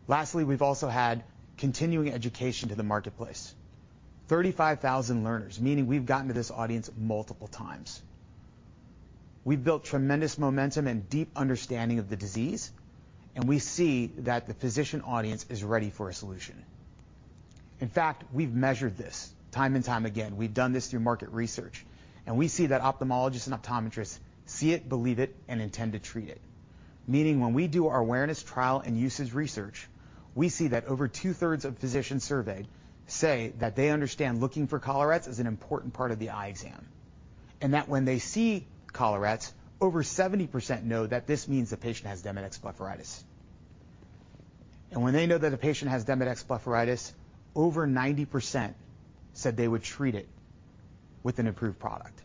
Lastly, we've also had continuing education to the marketplace. 35,000 learners, meaning we've gotten to this audience multiple times. We've built tremendous momentum and deep understanding of the disease, and we see that the physician audience is ready for a solution. In fact, we've measured this time and time again. We've done this through market research, and we see that ophthalmologists and optometrists see it, believe it, and intend to treat it. Meaning, when we do our Awareness, Trial, and Usage research, we see that over two-thirds of physicians surveyed say that they understand looking for collarettes is an important part of the eye exam. When they see collarettes, over 70% know that this means the patient has Demodex blepharitis. When they know that a patient has Demodex blepharitis, over 90% said they would treat it with an approved product.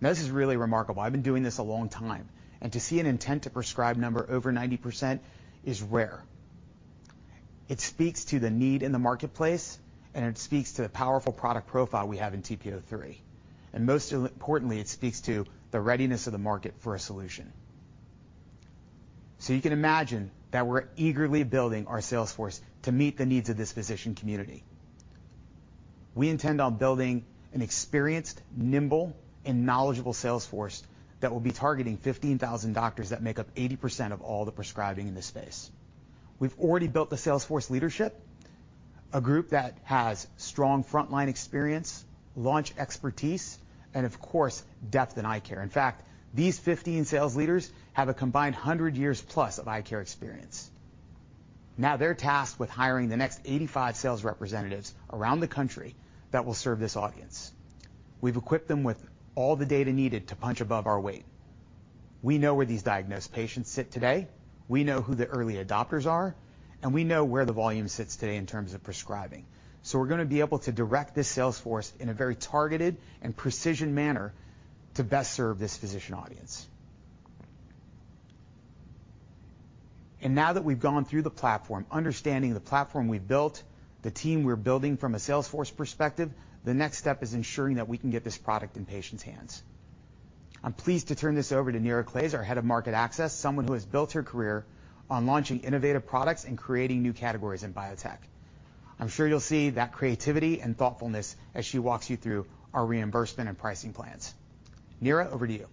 This is really remarkable. I've been doing this a long time, and to see an intent to prescribe number over 90% is rare. It speaks to the need in the marketplace, and it speaks to the powerful product profile we have in TP-03. Most importantly, it speaks to the readiness of the market for a solution. You can imagine that we're eagerly building our sales force to meet the needs of this physician community. We intend on building an experienced, nimble, and knowledgeable sales force that will be targeting 15,000 doctors that make up 80% of all the prescribing in this space. We've already built the sales force leadership, a group that has strong frontline experience, launch expertise, and of course, depth in eye care. In fact, these 15 sales leaders have a combined 100+ years of eye care experience. Now they're tasked with hiring the next 85 sales representatives around the country that will serve this audience. We've equipped them with all the data needed to punch above our weight. We know where these diagnosed patients sit today, we know who the early adopters are, and we know where the volume sits today in terms of prescribing. We're going to be able to direct this sales force in a very targeted and precision manner to best serve this physician audience. Now that we've gone through the platform, understanding the platform we've built, the team we're building from a sales force perspective, the next step is ensuring that we can get this product in patients' hands. I'm pleased to turn this over to Neera Clase, our Head of Market Access, someone who has built her career on launching innovative products and creating new categories in biotech. I'm sure you'll see that creativity and thoughtfulness as she walks you through our reimbursement and pricing plans. Neera, over to you.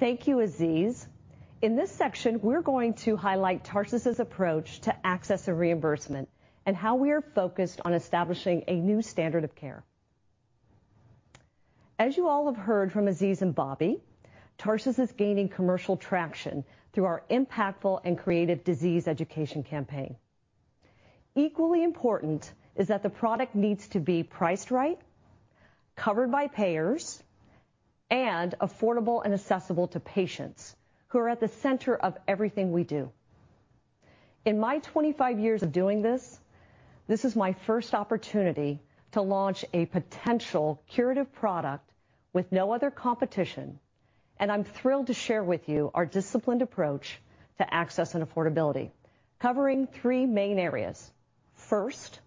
Thank you, Aziz. In this section, we're going to highlight Tarsus' approach to access and reimbursement and how we are focused on establishing a new standard of care. As you all have heard from Aziz and Bobby, Tarsus is gaining commercial traction through our impactful and creative disease education campaign. Equally important is that the product needs to be priced right, covered by payers, and affordable and accessible to patients, who are at the center of everything we do. In my 25 years of doing this is my first opportunity to launch a potential curative product with no other competition. I'm thrilled to share with you our disciplined approach to access and affordability, covering three main areas. First,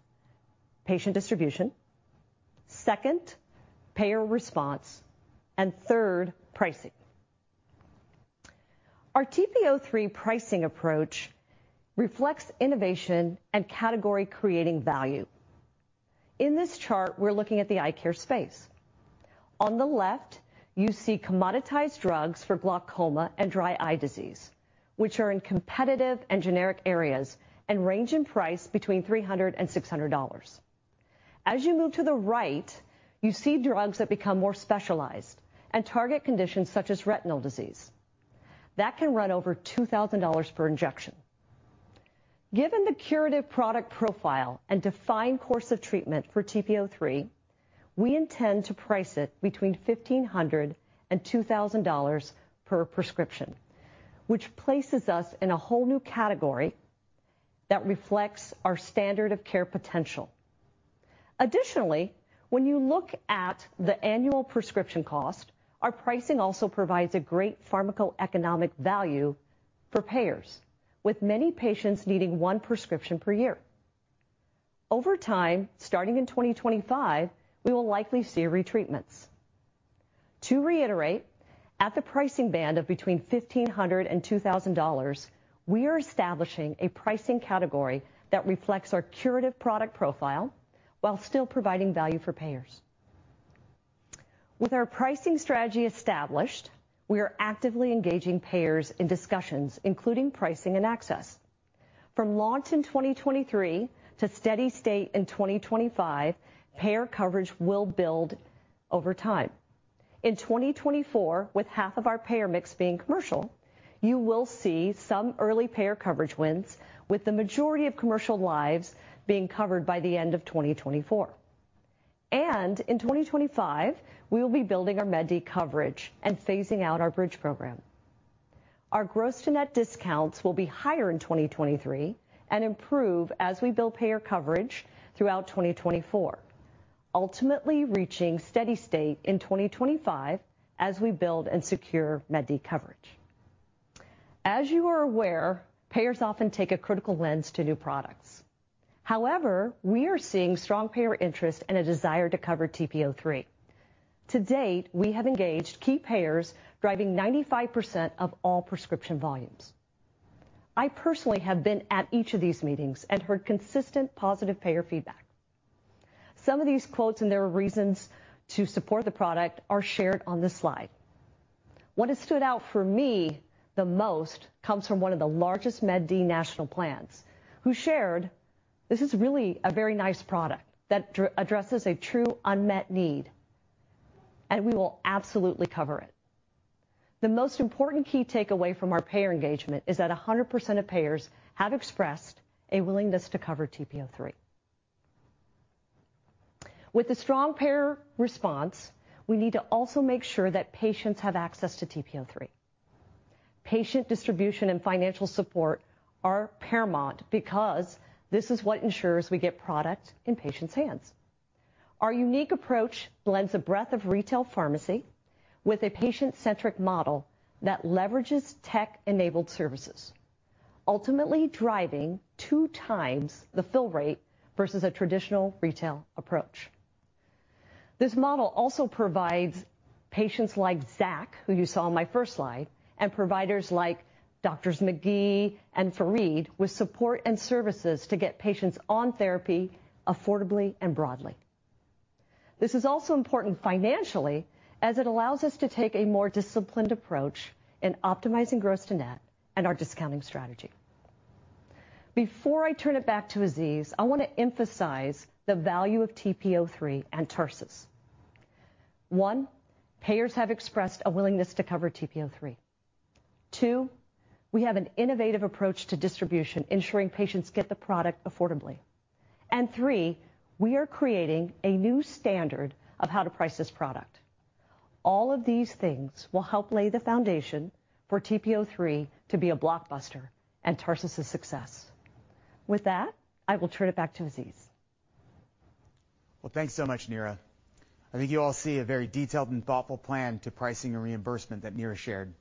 patient distribution, second, payer response. Third, pricing. Our TP-03 pricing approach reflects innovation and category-creating value. In this chart, we're looking at the eye care space. On the left, you see commoditized drugs for glaucoma and dry eye disease, which are in competitive and generic areas and range in price between $300-$600. As you move to the right, you see drugs that become more specialized and target conditions such as retinal disease. That can run over $2,000 per injection. Given the curative product profile and defined course of treatment for TP-03, we intend to price it between $1,500 and $2,000 per prescription, which places us in a whole new category that reflects our standard of care potential. Additionally, when you look at the annual prescription cost, our pricing also provides a great pharmacoeconomic value for payers, with many patients needing one prescription per year. Over time, starting in 2025, we will likely see retreatments. To reiterate, at the pricing band of between $1,500 and $2,000, we are establishing a pricing category that reflects our curative product profile while still providing value for payers. With our pricing strategy established, we are actively engaging payers in discussions, including pricing and access. From launch in 2023 to steady state in 2025, payer coverage will build over time. In 2024, with half of our payer mix being commercial, you will see some early payer coverage wins, with the majority of commercial lives being covered by the end of 2024. In 2025, we will be building our Part D coverage and phasing out our bridge program. Our gross-to-net discounts will be higher in 2023 and improve as we build payer coverage throughout 2024, ultimately reaching steady state in 2025 as we build and secure Part D coverage. You are aware, payers often take a critical lens to new products. We are seeing strong payer interest and a desire to cover TP-03. To date, we have engaged key payers, driving 95% of all prescription volumes. I personally have been at each of these meetings and heard consistent positive payer feedback. Some of these quotes and their reasons to support the product are shared on this slide. What has stood out for me the most comes from one of the largest Part D national plans, who shared: "This is really a very nice product that addresses a true unmet need, and we will absolutely cover it." The most important key takeaway from our payer engagement is that 100% of payers have expressed a willingness to cover TP-03. With the strong payer response, we need to also make sure that patients have access to TP-03. Patient distribution and financial support are paramount because this is what ensures we get product in patients' hands. Our unique approach blends a breadth of retail pharmacy with a patient-centric model that leverages tech-enabled services, ultimately driving two times the fill rate versus a traditional retail approach. This model also provides patients like Zach, who you saw on my first slide, and providers like doctors McGee and Farid, with support and services to get patients on therapy affordably and broadly. This is also important financially, as it allows us to take a more disciplined approach in optimizing gross-to-net and our discounting strategy. Before I turn it back to Aziz, I want to emphasize the value of TP-03 and Tarsus. One, payers have expressed a willingness to cover TP-03. Two, we have an innovative approach to distribution, ensuring patients get the product affordably. Three, we are creating a new standard of how to price this product. All of these things will help lay the foundation for TP-03 to be a Blockbuster and Tarsus's success. With that, I will turn it back to Aziz. Thanks so much, Neera. I think you all see a very detailed and thoughtful plan to pricing and reimbursement that Neera shared.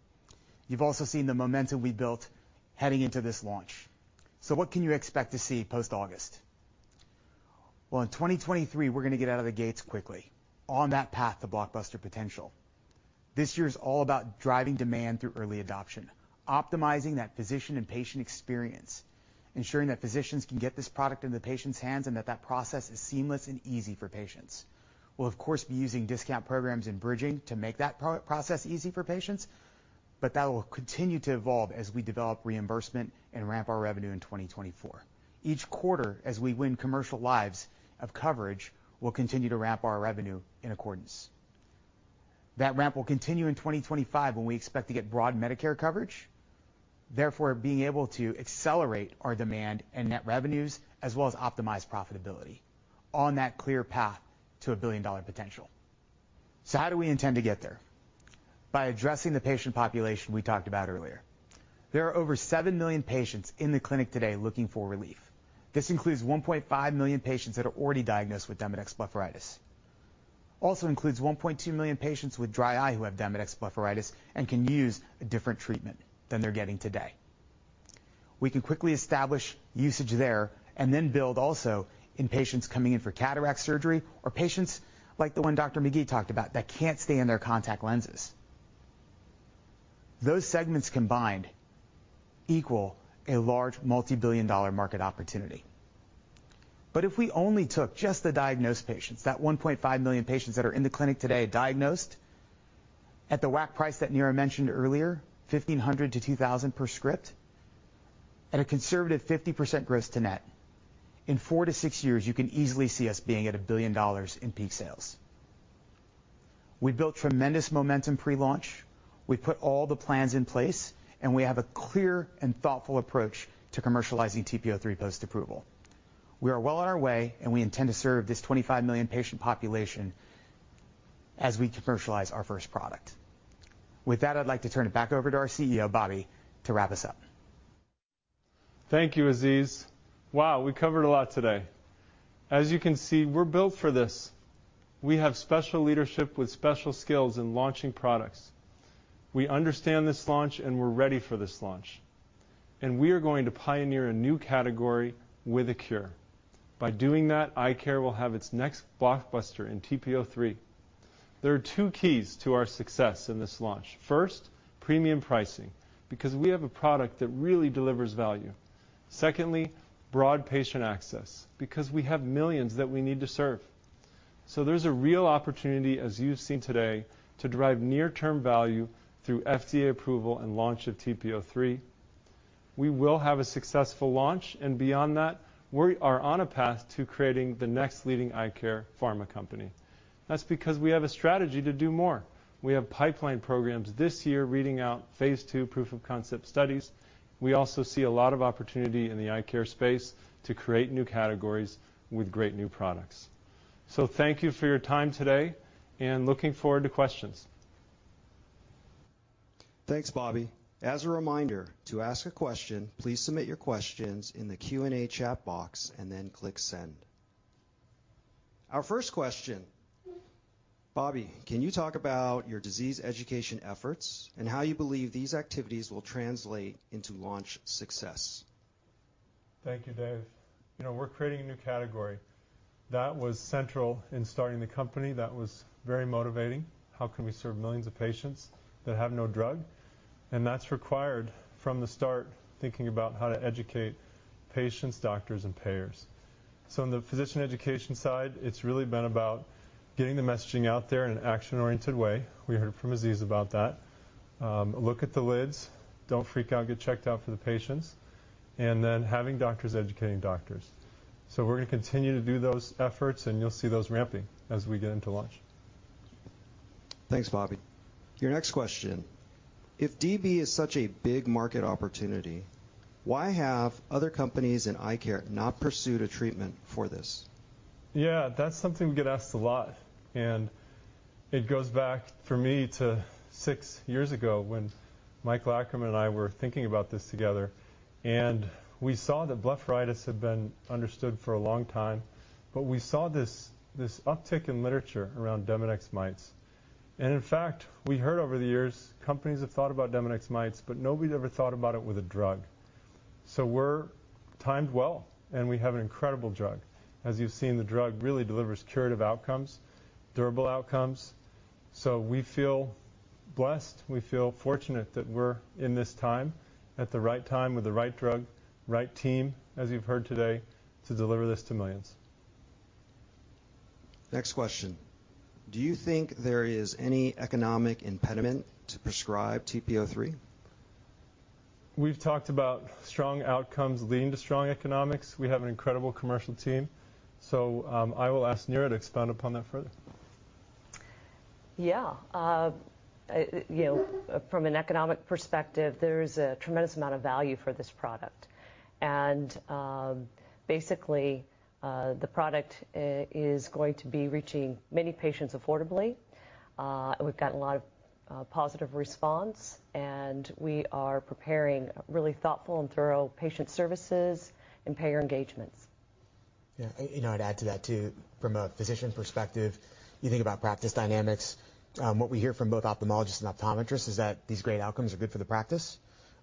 You've also seen the momentum we built heading into this launch. What can you expect to see post-August? In 2023, we're going to get out of the gates quickly on that path to Blockbuster potential. This year is all about driving demand through early adoption, optimizing that physician and patient experience, ensuring that physicians can get this product into the patient's hands, and that process is seamless and easy for patients. We'll of course, be using discount programs and bridging to make that process easy for patients, but that will continue to evolve as we develop reimbursement and ramp our revenue in 2024. Each quarter, as we win commercial lives of coverage, we'll continue to ramp our revenue in accordance. That ramp will continue in 2025, when we expect to get broad Medicare coverage, therefore, being able to accelerate our demand and net revenues, as well as optimize profitability on that clear path to a billion-dollar potential. How do we intend to get there? By addressing the patient population we talked about earlier. There are over 7 million patients in the clinic today looking for relief. This includes 1.5 million patients that are already diagnosed with Demodex blepharitis. Includes 1.2 million patients with dry eye who have Demodex blepharitis and can use a different treatment than they're getting today. We can quickly establish usage there and then build also in patients coming in for cataract surgery, or patients like the one Dr. McGee talked about, that can't stay in their contact lenses. Those segments combined equal a large multibillion-dollar market opportunity. If we only took just the diagnosed patients, that 1.5 million patients that are in the clinic today diagnosed at the WAC price that Neera mentioned earlier, $1,500-$2,000 per script, at a conservative 50% gross-to-net, in four to six years, you can easily see us being at $1 billion in peak sales. We built tremendous momentum pre-launch. We put all the plans in place, and we have a clear and thoughtful approach to commercializing TP-03 post-approval. We are well on our way, and we intend to serve this 25 million patient population as we commercialize our first product. With that, I'd like to turn it back over to our CEO, Bobby, to wrap us up. Thank you, Aziz. Wow, we covered a lot today. As you can see, we're built for this. We have special leadership with special skills in launching products. We understand this launch, we're ready for this launch, we are going to pioneer a new category with a cure. By doing that, eye care will have its next Blockbuster in TP-03. There are two keys to our success in this launch. First, premium pricing, because we have a product that really delivers value. Secondly, broad patient access, because we have millions that we need to serve. There's a real opportunity, as you've seen today, to drive near-term value through FDA approval and launch of TP-03. We will have a successful launch, beyond that, we are on a path to creating the next leading eye care pharma company. That's because we have a strategy to do more. We have pipeline programs this year, reading out phase Ie proof of concept studies. We also see a lot of opportunity in the eye care space to create new categories with great new products. Thank you for your time today, and looking forward to questions. Thanks, Bobby. As a reminder, to ask a question, please submit your questions in the Q&A chat box and then click send. Our first question: Bobby, can you talk about your disease education efforts and how you believe these activities will translate into launch success? Thank you, Dave. You know, we're creating a new category. That was central in starting the company. That was very motivating. How can we serve millions of patients that have no drug? That's required from the start, thinking about how to educate patients, doctors, and payers. On the physician education side, it's really been about getting the messaging out there in an action-oriented way. We heard from Aziz about that. Look at the Lids, Don't Freak Out, Get Checked Out for the patients, and then having doctors educating doctors. We're going to continue to do those efforts, and you'll see those ramping as we get into launch. Thanks, Bobby. Your next question: If DB is such a big market opportunity, why have other companies in eye care not pursued a treatment for this? That's something we get asked a lot. It goes back for me to six years ago when Michael Ackermann and I were thinking about this together, and we saw that blepharitis had been understood for a long time, but we saw this uptick in literature around Demodex mites. In fact, we heard over the years, companies have thought about Demodex mites, but nobody had ever thought about it with a drug. We're timed well, and we have an incredible drug. As you've seen, the drug really delivers curative outcomes, durable outcomes. We feel blessed. We feel fortunate that we're in this time, at the right time, with the right drug, right team, as you've heard today, to deliver this to millions. Next question: Do you think there is any economic impediment to prescribe TP-03? We've talked about strong outcomes leading to strong economics. We have an incredible commercial team, so I will ask Neera to expound upon that further. Yeah. you know, from an economic perspective, there is a tremendous amount of value for this product. Basically, the product is going to be reaching many patients affordably. We've gotten a lot of positive response, and we are preparing really thoughtful and thorough patient services and payer engagements. Yeah. You know, I'd add to that, too. From a physician perspective, you think about practice dynamics. What we hear from both ophthalmologists and optometrists is that these great outcomes are good for the practice.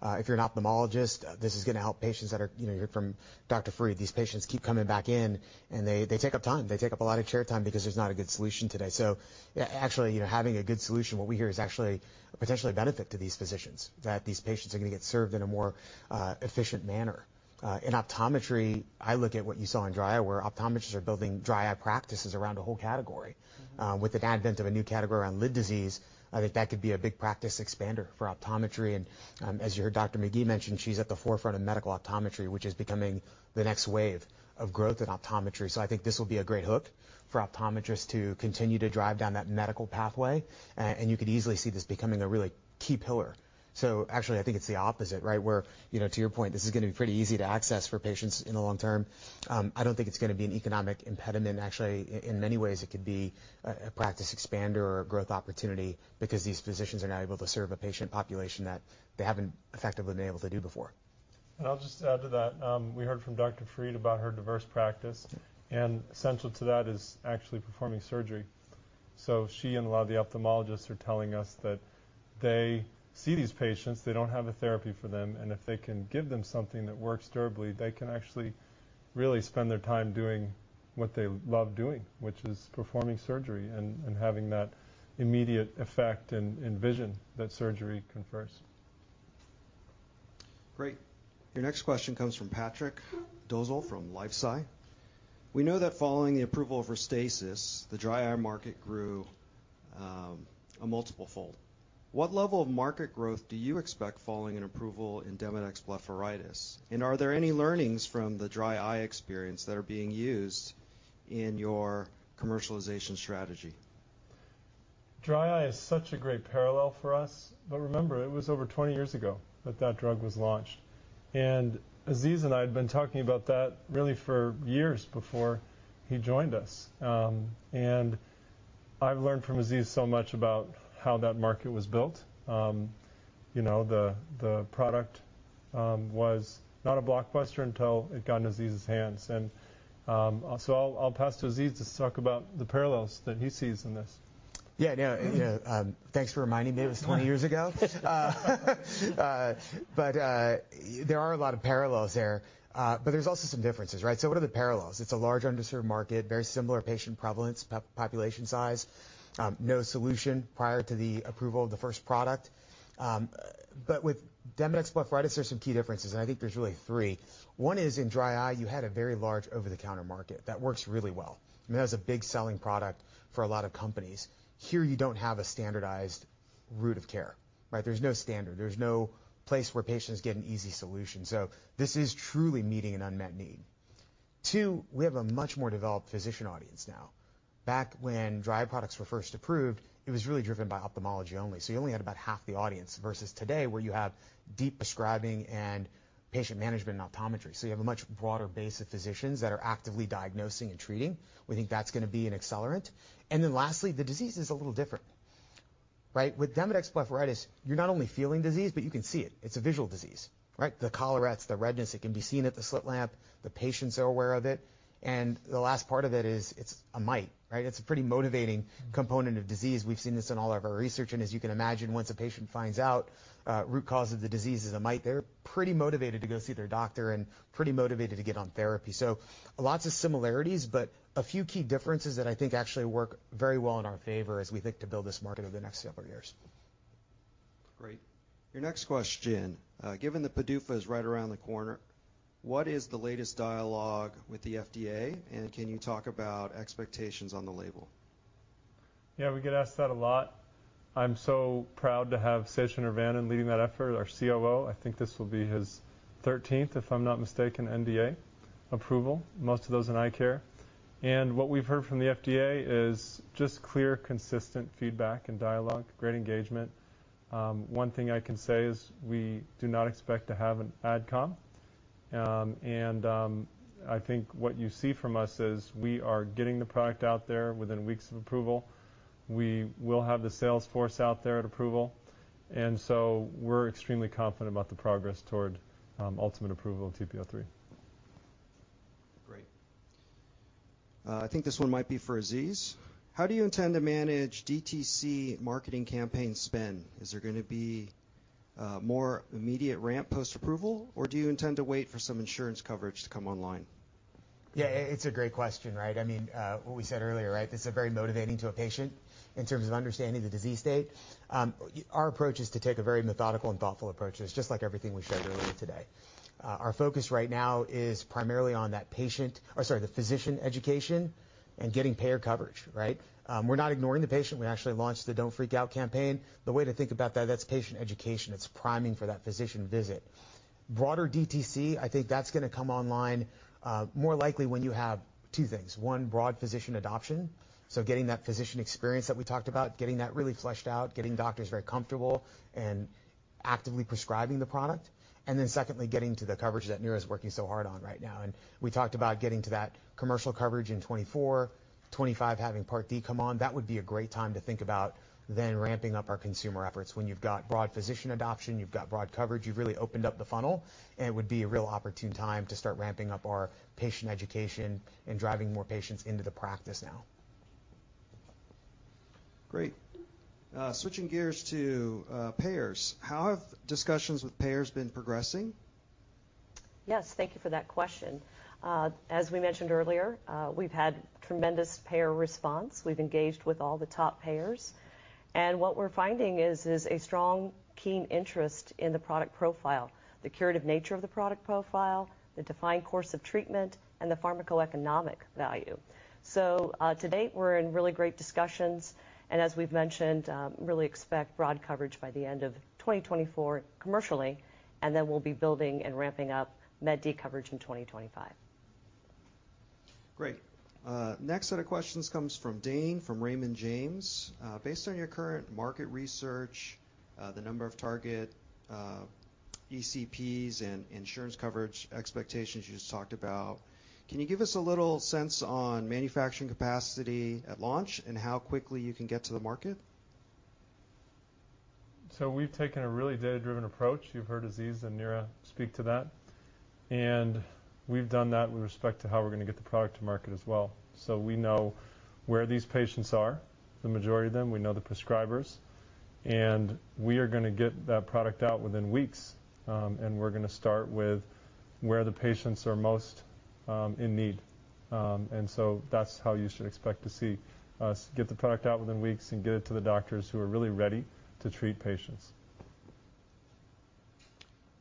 If you're an ophthalmologist, this is gonna help patients. You know, you hear from Dr. Farid, these patients keep coming back in, and they take up time. They take up a lot of chair time because there's not a good solution today. Actually, you know, having a good solution, what we hear is actually potentially a benefit to these physicians, that these patients are gonna get served in a more efficient manner. In optometry, I look at what you saw in dry eye, where optometrists are building dry eye practices around a whole category. Mm-hmm. With an advent of a new category around lid disease, I think that could be a big practice expander for optometry. As you heard Dr. McGee mention, she's at the forefront of medical optometry, which is becoming the next wave of growth in optometry. I think this will be a great hook for optometrists to continue to drive down that medical pathway, and you could easily see this becoming a really key pillar. Actually, I think it's the opposite, right? Where, you know, to your point, this is gonna be pretty easy to access for patients in the long term. I don't think it's gonna be an economic impediment. Actually, in many ways, it could be a practice expander or a growth opportunity because these physicians are now able to serve a patient population that they haven't effectively been able to do before. I'll just add to that. We heard from Dr. Farid about her diverse practice, and central to that is actually performing surgery. She and a lot of the ophthalmologists are telling us that they see these patients, they don't have a therapy for them, and if they can give them something that works durably, they can actually really spend their time doing what they love doing, which is performing surgery and having that immediate effect and vision that surgery confers. Great. Your next question comes from Patrick Dolezal from LifeSci Capital. We know that following the approval of Restasis, the dry eye market grew a multiple-fold. What level of market growth do you expect following an approval in Demodex blepharitis, and are there any learnings from the dry eye experience that are being used in your commercialization strategy? Dry eye is such a great parallel for us, but remember, it was over 20 years ago that that drug was launched. Aziz and I had been talking about that really for years before he joined us. I've learned from Aziz so much about how that market was built. You know, the product was not a Blockbuster until it got into Aziz's hands. So I'll pass to Aziz to talk about the parallels that he sees in this. Thanks for reminding me it was 20 years ago. There are a lot of parallels there, but there's also some differences, right? What are the parallels? It's a large underserved market, very similar patient prevalence, population size, no solution prior to the approval of the first product. With Demodex blepharitis, there are some key differences, and I think there's really three. One is in dry eye, you had a very large over-the-counter market that works really well, and that was a big selling product for a lot of companies. Here, you don't have a standardized route of care, right? There's no standard. There's no place where patients get an easy solution, this is truly meeting an unmet need. Two, we have a much more developed physician audience now. Back when dry eye products were first approved, it was really driven by ophthalmology only, you only had about half the audience, versus today, where you have deep prescribing and patient management and optometry. You have a much broader base of physicians that are actively diagnosing and treating. We think that's gonna be an accelerant. Lastly, the disease is a little different, right? With Demodex blepharitis, you're not only feeling disease, but you can see it. It's a visual disease, right? The collarettes, the redness, it can be seen at the slit lamp. The patients are aware of it, the last part of it is, it's a mite, right? It's a pretty motivating component of disease. We've seen this in all of our research. As you can imagine, once a patient finds out, root cause of the disease is a mite, they're pretty motivated to go see their doctor and pretty motivated to get on therapy. Lots of similarities, but a few key differences that I think actually work very well in our favor as we think to build this market over the next several years. Great. Your next question. Given the PDUFA is right around the corner, what is the latest dialogue with the FDA, and can you talk about expectations on the label? Yeah, we get asked that a lot. I'm so proud to have Sesha Neervannan leading that effort, our COO. I think this will be his 13th, if I'm not mistaken, NDA approval, most of those in eye care. What we've heard from the FDA is just clear, consistent feedback and dialogue, great engagement. One thing I can say is we do not expect to have an AdCom. I think what you see from us is we are getting the product out there within weeks of approval. We will have the sales force out there at approval, we're extremely confident about the progress toward ultimate approval of TP-03. Great. I think this one might be for Aziz. How do you intend to manage DTC marketing campaign spend? Is there gonna be more immediate ramp post-approval, or do you intend to wait for some insurance coverage to come online? Yeah, it's a great question, right? I mean, what we said earlier, right? This is very motivating to a patient in terms of understanding the disease state. Our approach is to take a very methodical and thoughtful approach. It's just like everything we showed earlier today. Our focus right now is primarily on that patient—or sorry, the physician education and getting payer coverage, right? We're not ignoring the patient. We actually launched the Don't Freak Out campaign. The way to think about that's patient education. It's priming for that physician visit. Broader DTC, I think that's gonna come online, more likely when you have two things: one, broad physician adoption, so getting that physician experience that we talked about, getting that really fleshed out, getting doctors very comfortable and actively prescribing the product. Secondly, getting to the coverage that Neera's working so hard on right now, and we talked about getting to that commercial coverage in 2024, 2025, having Part D come on. That would be a great time to think about then ramping up our consumer efforts. When you've got broad physician adoption, you've got broad coverage, you've really opened up the funnel, and it would be a real opportune time to start ramping up our patient education and driving more patients into the practice now. Great. Switching gears to, payers. How have discussions with payers been progressing? Yes, thank you for that question. As we mentioned earlier, we've had tremendous payer response. We've engaged with all the top payers, and what we're finding is a strong, keen interest in the product profile, the curative nature of the product profile, the defined course of treatment, and the pharmacoeconomic value. To date, we're in really great discussions, and as we've mentioned, really expect broad coverage by the end of 2024 commercially, and then we'll be building and ramping up Part D coverage in 2025. Great. Next set of questions comes from Dane, from Raymond James. Based on your current market research, the number of target ECPs and insurance coverage expectations you just talked about, can you give us a little sense on manufacturing capacity at launch and how quickly you can get to the market? We've taken a really data-driven approach. You've heard Aziz and Neera speak to that, and we've done that with respect to how we're gonna get the product to market as well. We know where these patients are, the majority of them, we know the prescribers, and we are gonna get that product out within weeks, and we're gonna start with where the patients are most in need. That's how you should expect to see us get the product out within weeks and get it to the doctors who are really ready to treat patients.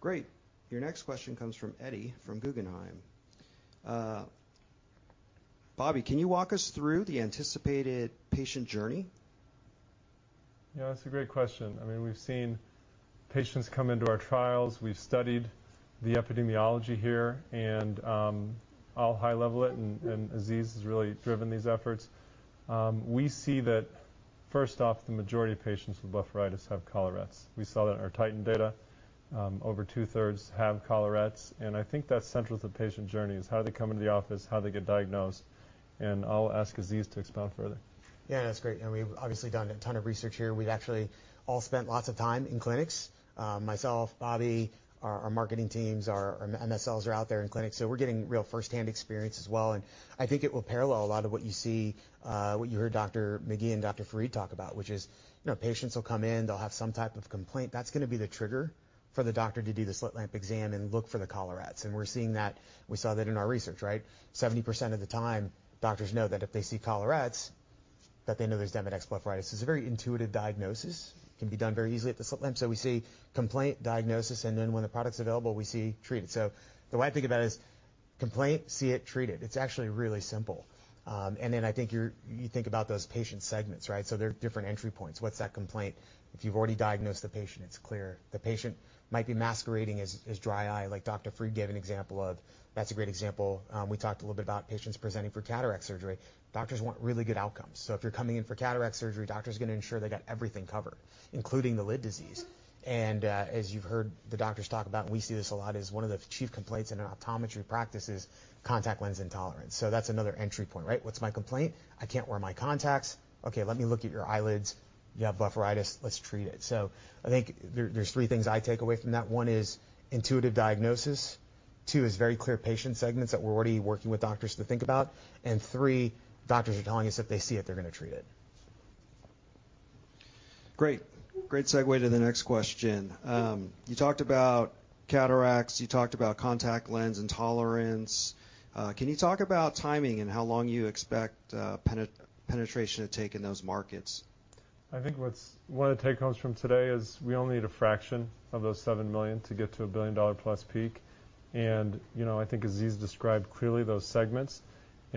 Great. Your next question comes from Eddie, from Guggenheim. Bobby, can you walk us through the anticipated patient journey? Yeah, that's a great question. I mean, we've seen patients come into our trials, we've studied the epidemiology here, and, I'll high-level it, and Aziz has really driven these efforts. We see that, first off, the majority of patients with blepharitis have collarettes. We saw that in our Titan data. Over 2/3 have collarettes, and I think that's central to the patient journey, is how do they come into the office, how they get diagnosed, and I'll ask Aziz to expound further. Yeah, that's great. We've obviously done a ton of research here. We've actually all spent lots of time in clinics, myself, Bobby, our marketing teams, our MSLs are out there in clinics, so we're getting real first-hand experience as well. I think it will parallel a lot of what you see, what you heard Dr. McGee and Dr. Farid talk about, which is, you know, patients will come in, they'll have some type of complaint. That's gonna be the trigger for the doctor to do the slit lamp exam and look for the collarettes, and we're seeing that. We saw that in our research, right? 70% of the time, doctors know that if they see collarettes, that they know there's Demodex blepharitis. It's a very intuitive diagnosis. It can be done very easily at the slit lamp. We see complaint, diagnosis, and then when the product's available, we see treated. The way I think about it is complaint, see it, treat it. I think you think about those patient segments, right? There are different entry points. What's that complaint? If you've already diagnosed the patient, it's clear. The patient might be masquerading as dry eye, like Dr. Farid gave an example of. That's a great example. We talked a little bit about patients presenting for cataract surgery. Doctors want really good outcomes. If you're coming in for cataract surgery, doctor's gonna ensure they got everything covered, including the lid disease. As you've heard the doctors talk about, and we see this a lot, is one of the chief complaints in an optometry practice is contact lens intolerance. That's another entry point, right? "What's my complaint? I can't wear my contacts." "Okay, let me look at your eyelids. You have blepharitis. Let's treat it." I think there's three things I take away from that. 1 is intuitive diagnosis, two is very clear patient segments that we're already working with doctors to think about, and three, doctors are telling us if they see it, they're gonna treat it. Great. Great segue to the next question. You talked about cataracts, you talked about contact lens intolerance. Can you talk about timing and how long you expect penetration to take in those markets? I think what's one of the takeaways from today is we only need a fraction of those $7 million to get to a billion-dollar-plus peak. You know, I think Aziz described clearly those segments,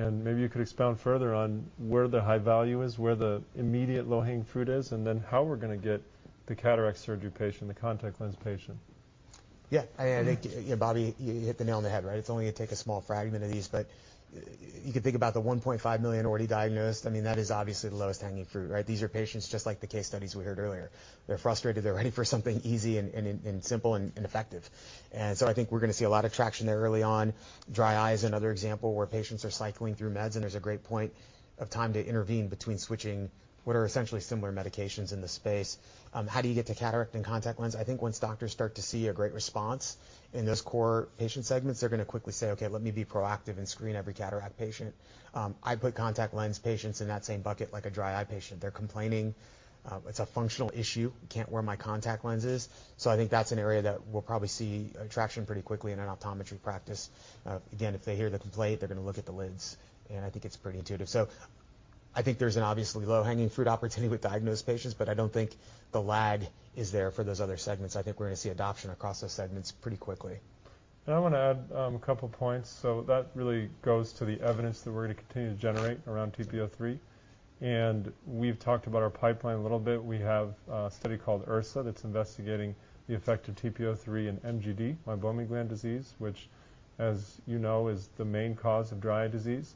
maybe you could expound further on where the high value is, where the immediate low-hanging fruit is, then how we're gonna get the cataract surgery patient, the contact lens patient? Yeah, I think, you know, Bobby, you hit the nail on the head, right? It's only going to take a small fragment of these, but you can think about the $1.5 million already diagnosed. I mean, that is obviously the lowest-hanging fruit, right? These are patients just like the case studies we heard earlier. They're frustrated, they're ready for something easy and simple and effective. I think we're going to see a lot of traction there early on. Dry eye is another example where patients are cycling through meds, and there's a great point of time to intervene between switching what are essentially similar medications in the space. How do you get to cataract and contact lens? I think once doctors start to see a great response in those core patient segments, they're going to quickly say: "Okay, let me be proactive and screen every cataract patient." I put contact lens patients in that same bucket like a dry eye patient. They're complaining, it's a functional issue. Can't wear my contact lenses. I think that's an area that we'll probably see traction pretty quickly in an optometry practice. Again, if they hear the complaint, they're going to look at the lids, and I think it's pretty intuitive. I think there's an obviously low-hanging fruit opportunity with diagnosed patients, but I don't think the lag is there for those other segments. I think we're going to see adoption across those segments pretty quickly. I want to add a couple points. That really goes to the evidence that we're going to continue to generate around TP-03. We've talked about our pipeline a little bit. We have a study called Ersa, that's investigating the effect of TP-03 and MGD, meibomian gland disease, which, as you know, is the main cause of dry eye disease.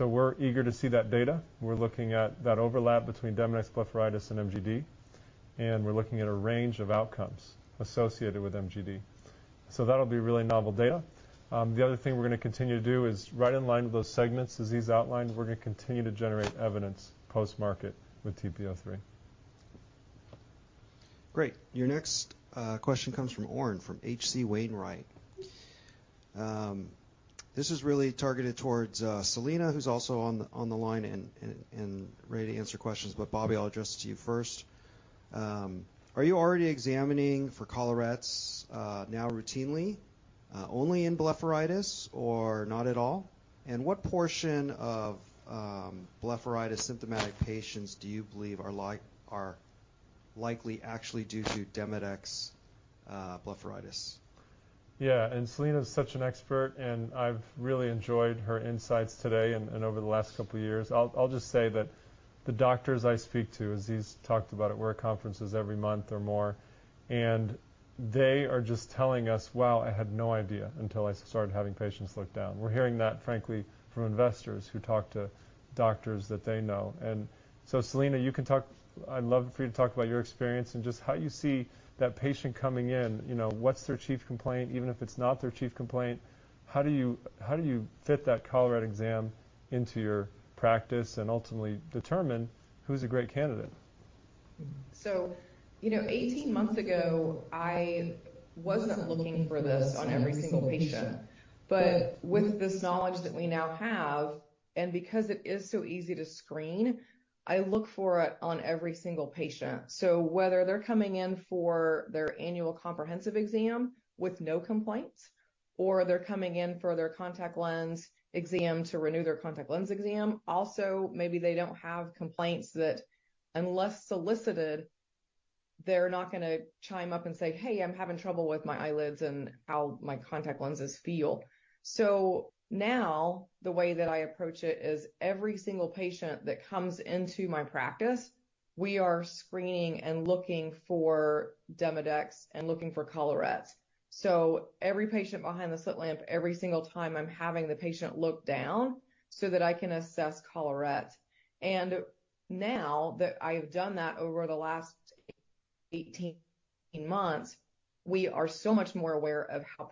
We're eager to see that data. We're looking at that overlap between Demodex blepharitis and MGD, and we're looking at a range of outcomes associated with MGD. That'll be really novel data. The other thing we're going to continue to do is right in line with those segments, as Aziz outlines, we're going to continue to generate evidence post-market with TP-03. Great. Your next question comes from Oren, from H.C. Wainwright. This is really targeted towards Selina, who's also on the line and ready to answer questions, but Bobby, I'll address it to you first. Are you already examining for collarettes now routinely only in blepharitis or not at all? What portion of blepharitis symptomatic patients do you believe are likely actually due to Demodex blepharitis? Yeah, and Selina is such an expert, and I've really enjoyed her insights today and over the last couple of years. I'll just say that the doctors I speak to, as Aziz Mottiwala talked about, we're at conferences every month or more, and they are just telling us, "Wow, I had no idea until I started having patients look down." We're hearing that, frankly, from investors who talk to doctors that they know. So, Selina, I'd love for you to talk about your experience and just how you see that patient coming in. You know, what's their chief complaint, even if it's not their chief complaint, how do you fit that collarette exam into your practice and ultimately determine who's a great candidate? You know, 18 months ago, I wasn't looking for this on every single patient. With this knowledge that we now have, and because it is so easy to screen, I look for it on every single patient. Whether they're coming in for their annual comprehensive exam with no complaints, or they're coming in for their contact lens exam to renew their contact lens exam. Also, maybe they don't have complaints that, unless solicited, they're not going to chime up and say, "Hey, I'm having trouble with my eyelids and how my contact lenses feel." Now, the way that I approach it is every single patient that comes into my practice, we are screening and looking for Demodex and looking for collarettes. Every patient behind the slit lamp, every single time I'm having the patient look down so that I can assess collarettes. Now that I've done that over the last 18 months, we are so much more aware of how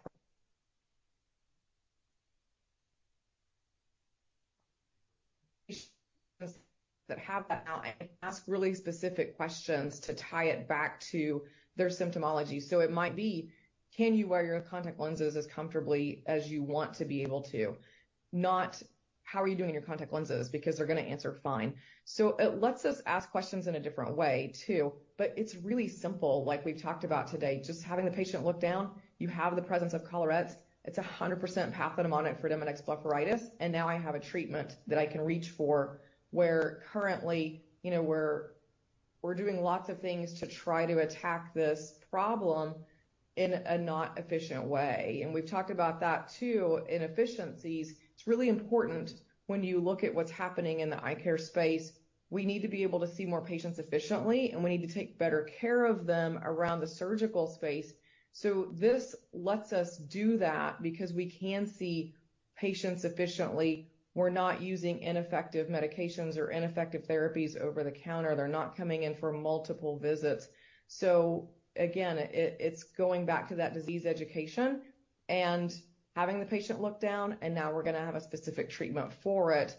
that have that and ask really specific questions to tie it back to their symptomology. It might be, "Can you wear your contact lenses as comfortably as you want to be able to?" Not, "How are you doing your contact lenses?" Because they're going to answer, "Fine." It lets us ask questions in a different way, too, but it's really simple, like we've talked about today, just having the patient look down, you have the presence of collarettes. It's 100% pathognomonic for Demodex blepharitis, and now I have a treatment that I can reach for, where currently, you know, we're doing lots of things to try to attack this problem in a not efficient way. We've talked about that, too, inefficiencies. It's really important when you look at what's happening in the eye care space, we need to be able to see more patients efficiently, and we need to take better care of them around the surgical space. This lets us do that because we can see patients efficiently. We're not using ineffective medications or ineffective therapies over the counter. They're not coming in for multiple visits. Again, it's going back to that disease education and having the patient look down, and now we're going to have a specific treatment for it.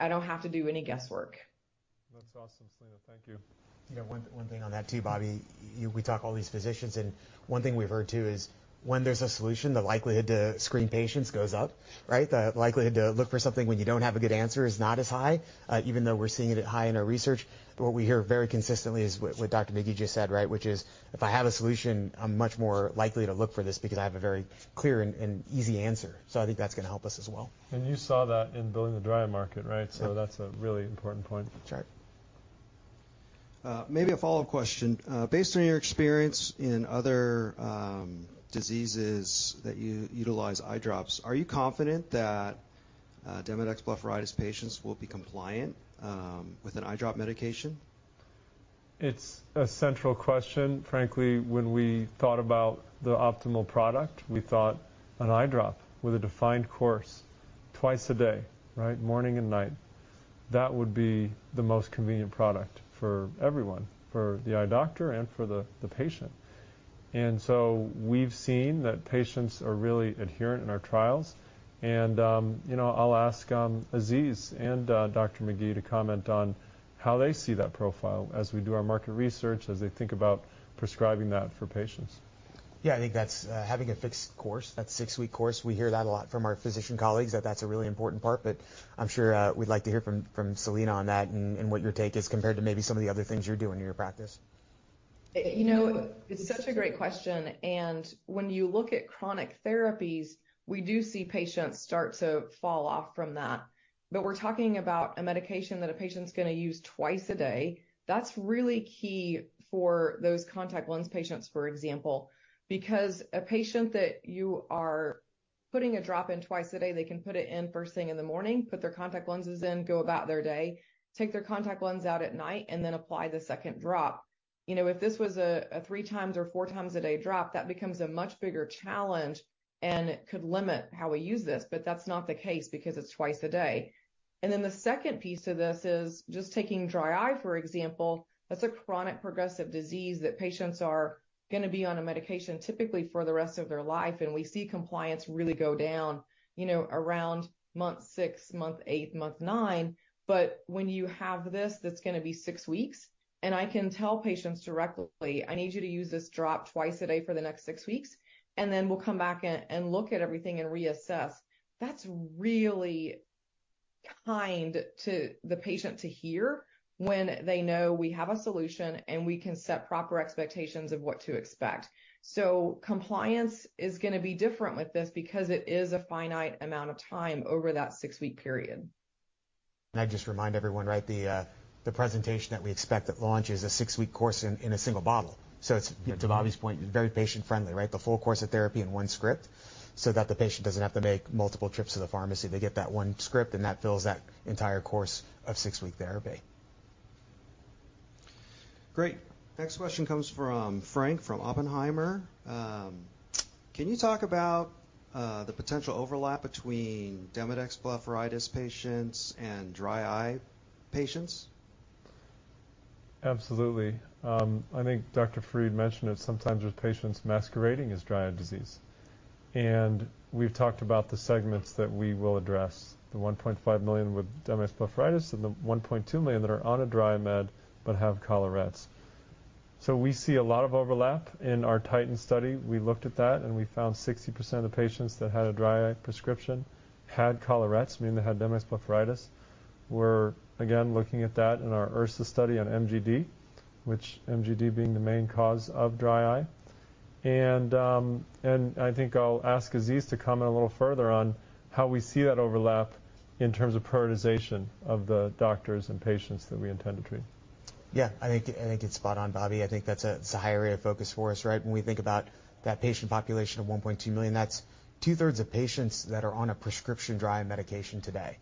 I don't have to do any guesswork. That's awesome, Selina. Thank you. Yeah, one thing on that, too, Bobby. We talk to all these physicians, one thing we've heard, too, is when there's a solution, the likelihood to screen patients goes up, right? The likelihood to look for something when you don't have a good answer is not as high, even though we're seeing it high in our research. What we hear very consistently is what Dr. McGee just said, right, which is, if I have a solution, I'm much more likely to look for this because I have a very clear and easy answer. I think that's going to help us as well. You saw that in building the dry eye market, right? That's a really important point. That's right. Maybe a follow-up question. Based on your experience in other diseases that you utilize eye drops, are you confident that Demodex blepharitis patients will be compliant with an eye drop medication? It's a central question. Frankly, when we thought about the optimal product, we thought an eye drop with a defined course twice a day, right? Morning and night. That would be the most convenient product for everyone, for the eye doctor and for the patient. We've seen that patients are really adherent in our trials, and, you know, I'll ask Aziz Mottiwala and Dr. McGee to comment on how they see that profile as we do our market research, as they think about prescribing that for patients. I think that's having a fixed course, that six-week course, we hear that a lot from our physician colleagues, that that's a really important part, but I'm sure we'd like to hear from Selina on that and what your take is compared to maybe some of the other things you're doing in your practice. You know, it's such a great question. When you look at chronic therapies, we do see patients start to fall off from that. We're talking about a medication that a patient's gonna use twice a day. That's really key for those contact lens patients, for example, because a patient that you are putting a drop in twice a day, they can put it in first thing in the morning, put their contact lenses in, go about their day, take their contact lens out at night, and then apply the second drop. You know, if this was a three-times or four- times a day drop, that becomes a much bigger challenge, and it could limit how we use this, but that's not the case because it's twice a day. The second piece to this is just taking dry eye, for example. That's a chronic progressive disease that patients are gonna be on a medication typically for the rest of their life. We see compliance really go down, you know, around month six, month eight, month nine. When you have this, that's gonna be six weeks, and I can tell patients directly, "I need you to use this drop twice a day for the next six weeks, and then we'll come back and look at everything and reassess," that's really kind to the patient to hear when they know we have a solution, and we can set proper expectations of what to expect. Compliance is gonna be different with this because it is a finite amount of time over that six-week period. Can I just remind everyone, right, the presentation that we expect at launch is a six-week course in a single bottle. Yeah to Bobby's point, very patient-friendly, right? The full course of therapy in one script so that the patient doesn't have to make multiple trips to the pharmacy. They get that one script, and that fills that entire course of six-week therapy. Great. Next question comes from Frank, from Oppenheimer. Can you talk about the potential overlap between Demodex blepharitis patients and dry eye patients? Absolutely. I think Dr. Farid mentioned it. Sometimes there's patients masquerading as Demodex blepharitis, and we've talked about the segments that we will address, the $1.5 million with Demodex blepharitis and the $1.2 million that are on a dry eye med but have collarettes. We see a lot of overlap in our Titan study. We looked at that. We found 60% of patients that had a dry eye prescription had collarettes, meaning they had Demodex blepharitis. We're again looking at that in our Ersa study on MGD, which MGD being the main cause of dry eye. I think I'll ask Aziz to comment a little further on how we see that overlap in terms of prioritization of the doctors and patients that we intend to treat. Yeah, I think it's spot on, Bobby. I think that's a, it's a high area of focus for us, right? When we think about that patient population of 1.2 million, that's 2/3 of patients that are on a prescription dry eye medication today.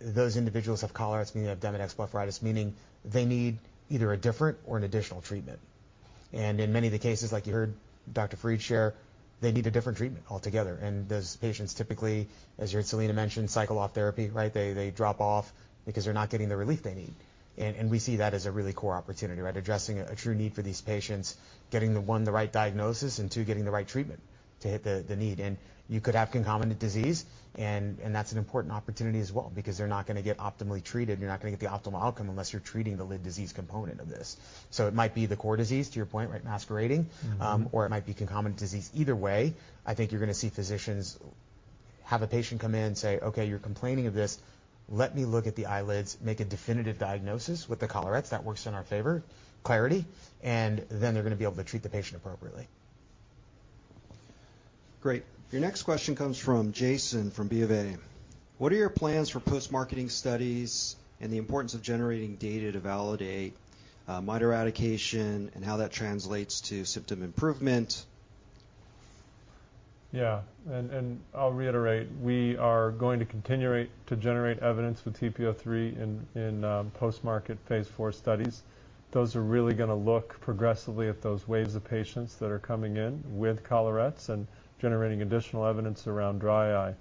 Those individuals have collarettes, meaning they have Demodex blepharitis, meaning they need either a different or an additional treatment. In many of the cases, like you heard Dr. Farid share, they need a different treatment altogether, and those patients typically, as heard Selina mention, cycle off therapy, right? They drop off because they're not getting the relief they need. We see that as a really core opportunity, right? Addressing a true need for these patients, getting them, one, the right diagnosis, and two, getting the right treatment to hit the need. You could have concomitant disease, and that's an important opportunity as well because they're not gonna get optimally treated, you're not gonna get the optimal outcome unless you're treating the lid disease component of this. It might be the core disease, to your point, right. Mm-hmm or it might be concomitant disease. Either way, I think you're gonna see physicians have a patient come in and say, "Okay, you're complaining of this. Let me look at the eyelids," make a definitive diagnosis with the collarettes. That works in our favor, clarity, and then they're gonna be able to treat the patient appropriately. Great. Your next question comes from Jason, from B of A. What are your plans for post-marketing studies and the importance of generating data to validate mite eradication and how that translates to symptom improvement? I'll reiterate, we are going to continue to generate evidence with TP-03 in post-market Phase IV studies. Those are really gonna look progressively at those waves of patients that are coming in with collarettes and generating additional evidence around dry eye,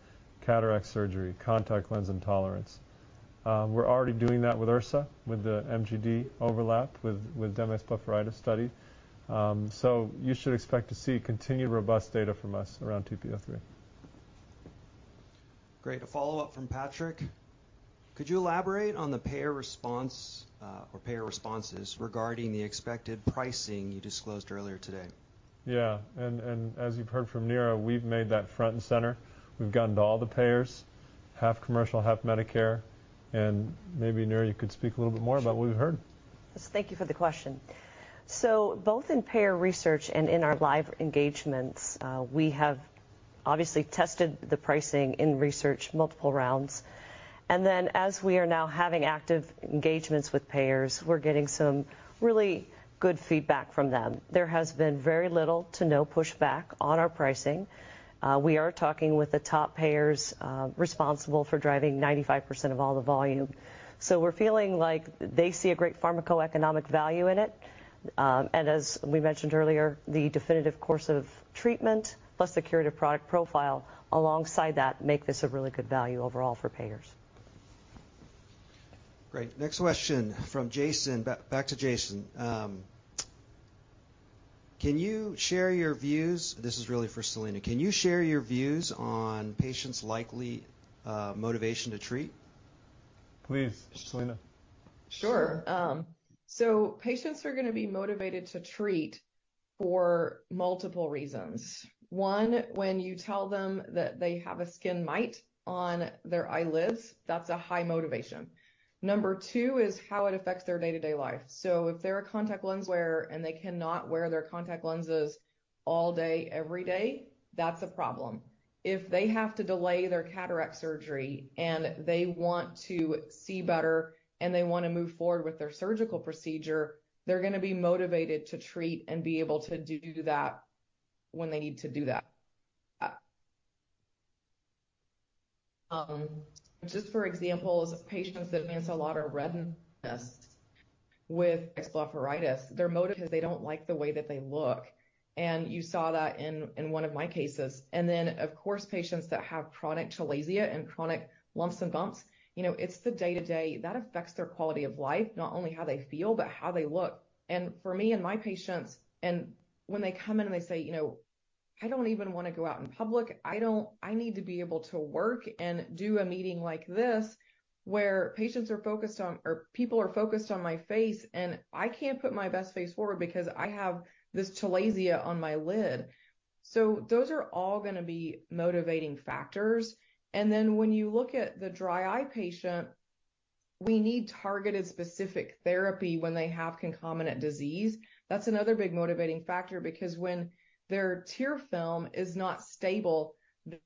cataract surgery, contact lens intolerance. We're already doing that with Ersa, with the MGD overlap, with Demodex blepharitis study. You should expect to see continued robust data from us around TP-03. Great. A follow-up from Patrick: Could you elaborate on the payer response, or payer responses regarding the expected pricing you disclosed earlier today? Yeah, as you've heard from Neera, we've made that front and center. We've gone to all the payers, half commercial, half Medicare, maybe, Neera, you could speak a little bit more about what we've heard. Thank you for the question. Both in payer research and in our live engagements, we have obviously tested the pricing in research multiple rounds. As we are now having active engagements with payers, we're getting really good feedback from them. There has been very little to no pushback on our pricing. We are talking with the top payers, responsible for driving 95% of all the volume. We're feeling like they see a great pharmacoeconomic value in it. As we mentioned earlier, the definitive course of treatment, plus the curative product profile alongside that, make this a really good value overall for payers. Great. Next question from Jason. back to Jason. Can you share your views, this is really for Selina. Can you share your views on patients' likely motivation to treat? Please, Selina. Sure. Patients are going to be motivated to treat for multiple reasons. One, when you tell them that they have a skin mite on their eyelids, that's a high motivation. Number two is how it affects their day-to-day life. If they're a contact lens wearer, and they cannot wear their contact lenses all day, every day, that's a problem. If they have to delay their cataract surgery, and they want to see better, and they want to move forward with their surgical procedure, they're going to be motivated to treat and be able to do that when they need to do that. Just for example, patients that we have a lot of redness with blepharitis, their motive is they don't like the way that they look, and you saw that in one of my cases. Then, of course, patients that have chronic chalazia and chronic lumps and bumps, you know, it's the day-to-day. That affects their quality of life, not only how they feel, but how they look. For me and my patients, and when they come in and they say, "You know, I need to be able to work and do a meeting like this," where patients are focused on or people are focused on my face, and I can't put my best face forward because I have this chalazia on my lid. Those are all going to be motivating factors. Then, when you look at the dry eye patient, we need targeted, specific therapy when they have concomitant disease. That's another big motivating factor because when their tear film is not stable,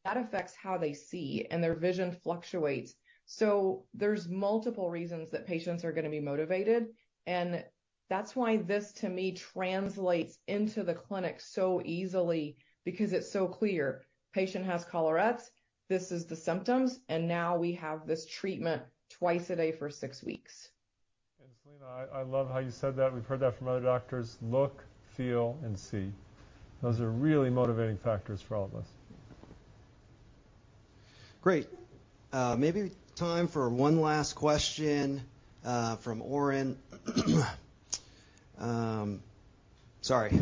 that affects how they see, and their vision fluctuates. There's multiple reasons that patients are going to be motivated, and that's why this, to me, translates into the clinic so easily because it's so clear. Patient has collarettes, this is the symptoms, now we have this treatment twice a day for six weeks. Selina, I love how you said that. We've heard that from other doctors: look, feel, and see. Those are really motivating factors for all of us. Great. Maybe time for one last question from Oren. Sorry,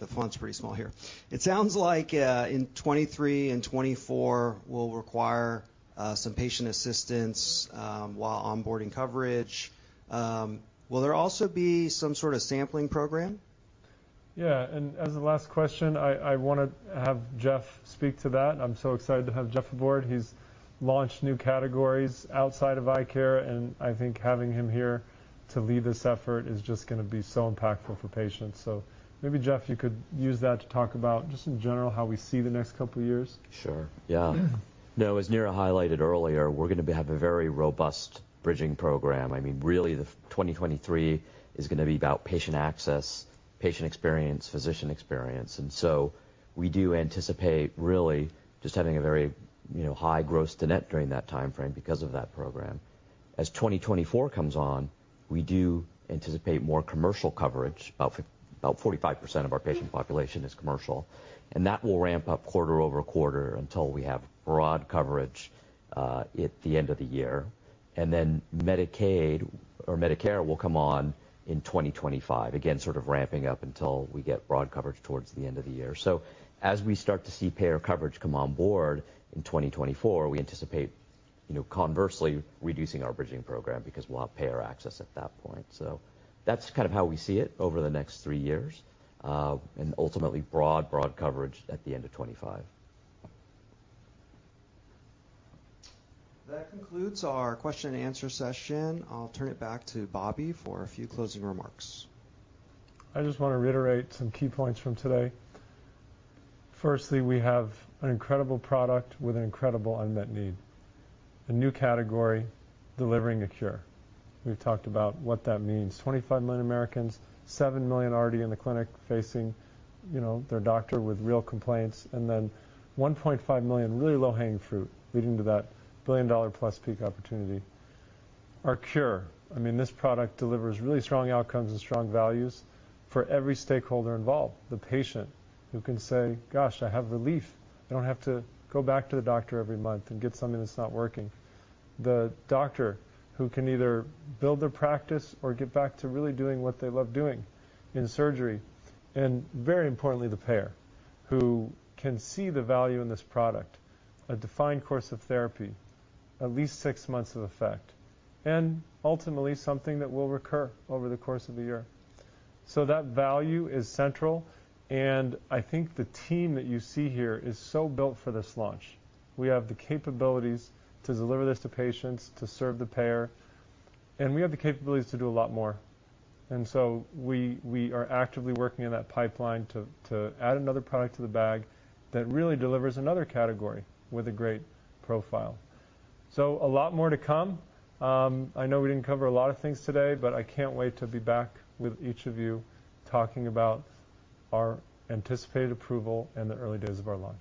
the font's pretty small here. It sounds like in 2023 and 2024 will require some patient assistance while onboarding coverage. Will there also be some sort of sampling program? Yeah, as the last question, I want to have Jeff speak to that. I'm so excited to have Jeff aboard. He's launched new categories outside of eye care, and I think having him here to lead this effort is just going to be so impactful for patients. Maybe, Jeff, you could use that to talk about, just in general, how we see the next couple of years. Sure. Yeah. As Neera highlighted earlier, we're going to be have a very robust bridging program. I mean, really, the 2023 is going to be about patient access, patient experience, physician experience, we do anticipate really just having a very, you know, high gross-to-net during that time frame because of that program. 2024 comes on, we do anticipate more commercial coverage. About 45% of our patient population is commercial, that will ramp up quarter-over-quarter until we have broad coverage at the end of the year. Medicaid or Medicare will come on in 2025. Again, sort of ramping up until we get broad coverage towards the end of the year. As we start to see payer coverage come on board in 2024, we anticipate, you know, conversely, reducing our bridging program because we'll have payer access at that point. That's kind of how we see it over the next three years, and ultimately, broad coverage at the end of 2025. That concludes our question and answer session. I'll turn it back to Bobby for a few closing remarks. I just want to reiterate some key points from today. We have an incredible product with an incredible unmet need, a new category, delivering a cure. We've talked about what that means. 25 million Americans, 7 million already in the clinic, facing, you know, their doctor with real complaints, then 1.5 million really low-hanging fruit leading to that billion-dollar-plus peak opportunity. Our cure, I mean, this product delivers really strong outcomes and strong values for every stakeholder involved. The patient who can say, "Gosh, I have relief. I don't have to go back to the doctor every month and get something that's not working." The doctor, who can either build their practice or get back to really doing what they love doing in surgery. Very importantly, the payer, who can see the value in this product, a defined course of therapy, at least six months of effect, and ultimately, something that will recur over the course of the year. That value is central, and I think the team that you see here is so built for this launch. We have the capabilities to deliver this to patients, to serve the payer, and we have the capabilities to do a lot more. We are actively working in that pipeline to add another product to the bag that really delivers another category with a great profile. A lot more to come. I know we didn't cover a lot of things today, but I can't wait to be back with each of you talking about our anticipated approval and the early days of our launch.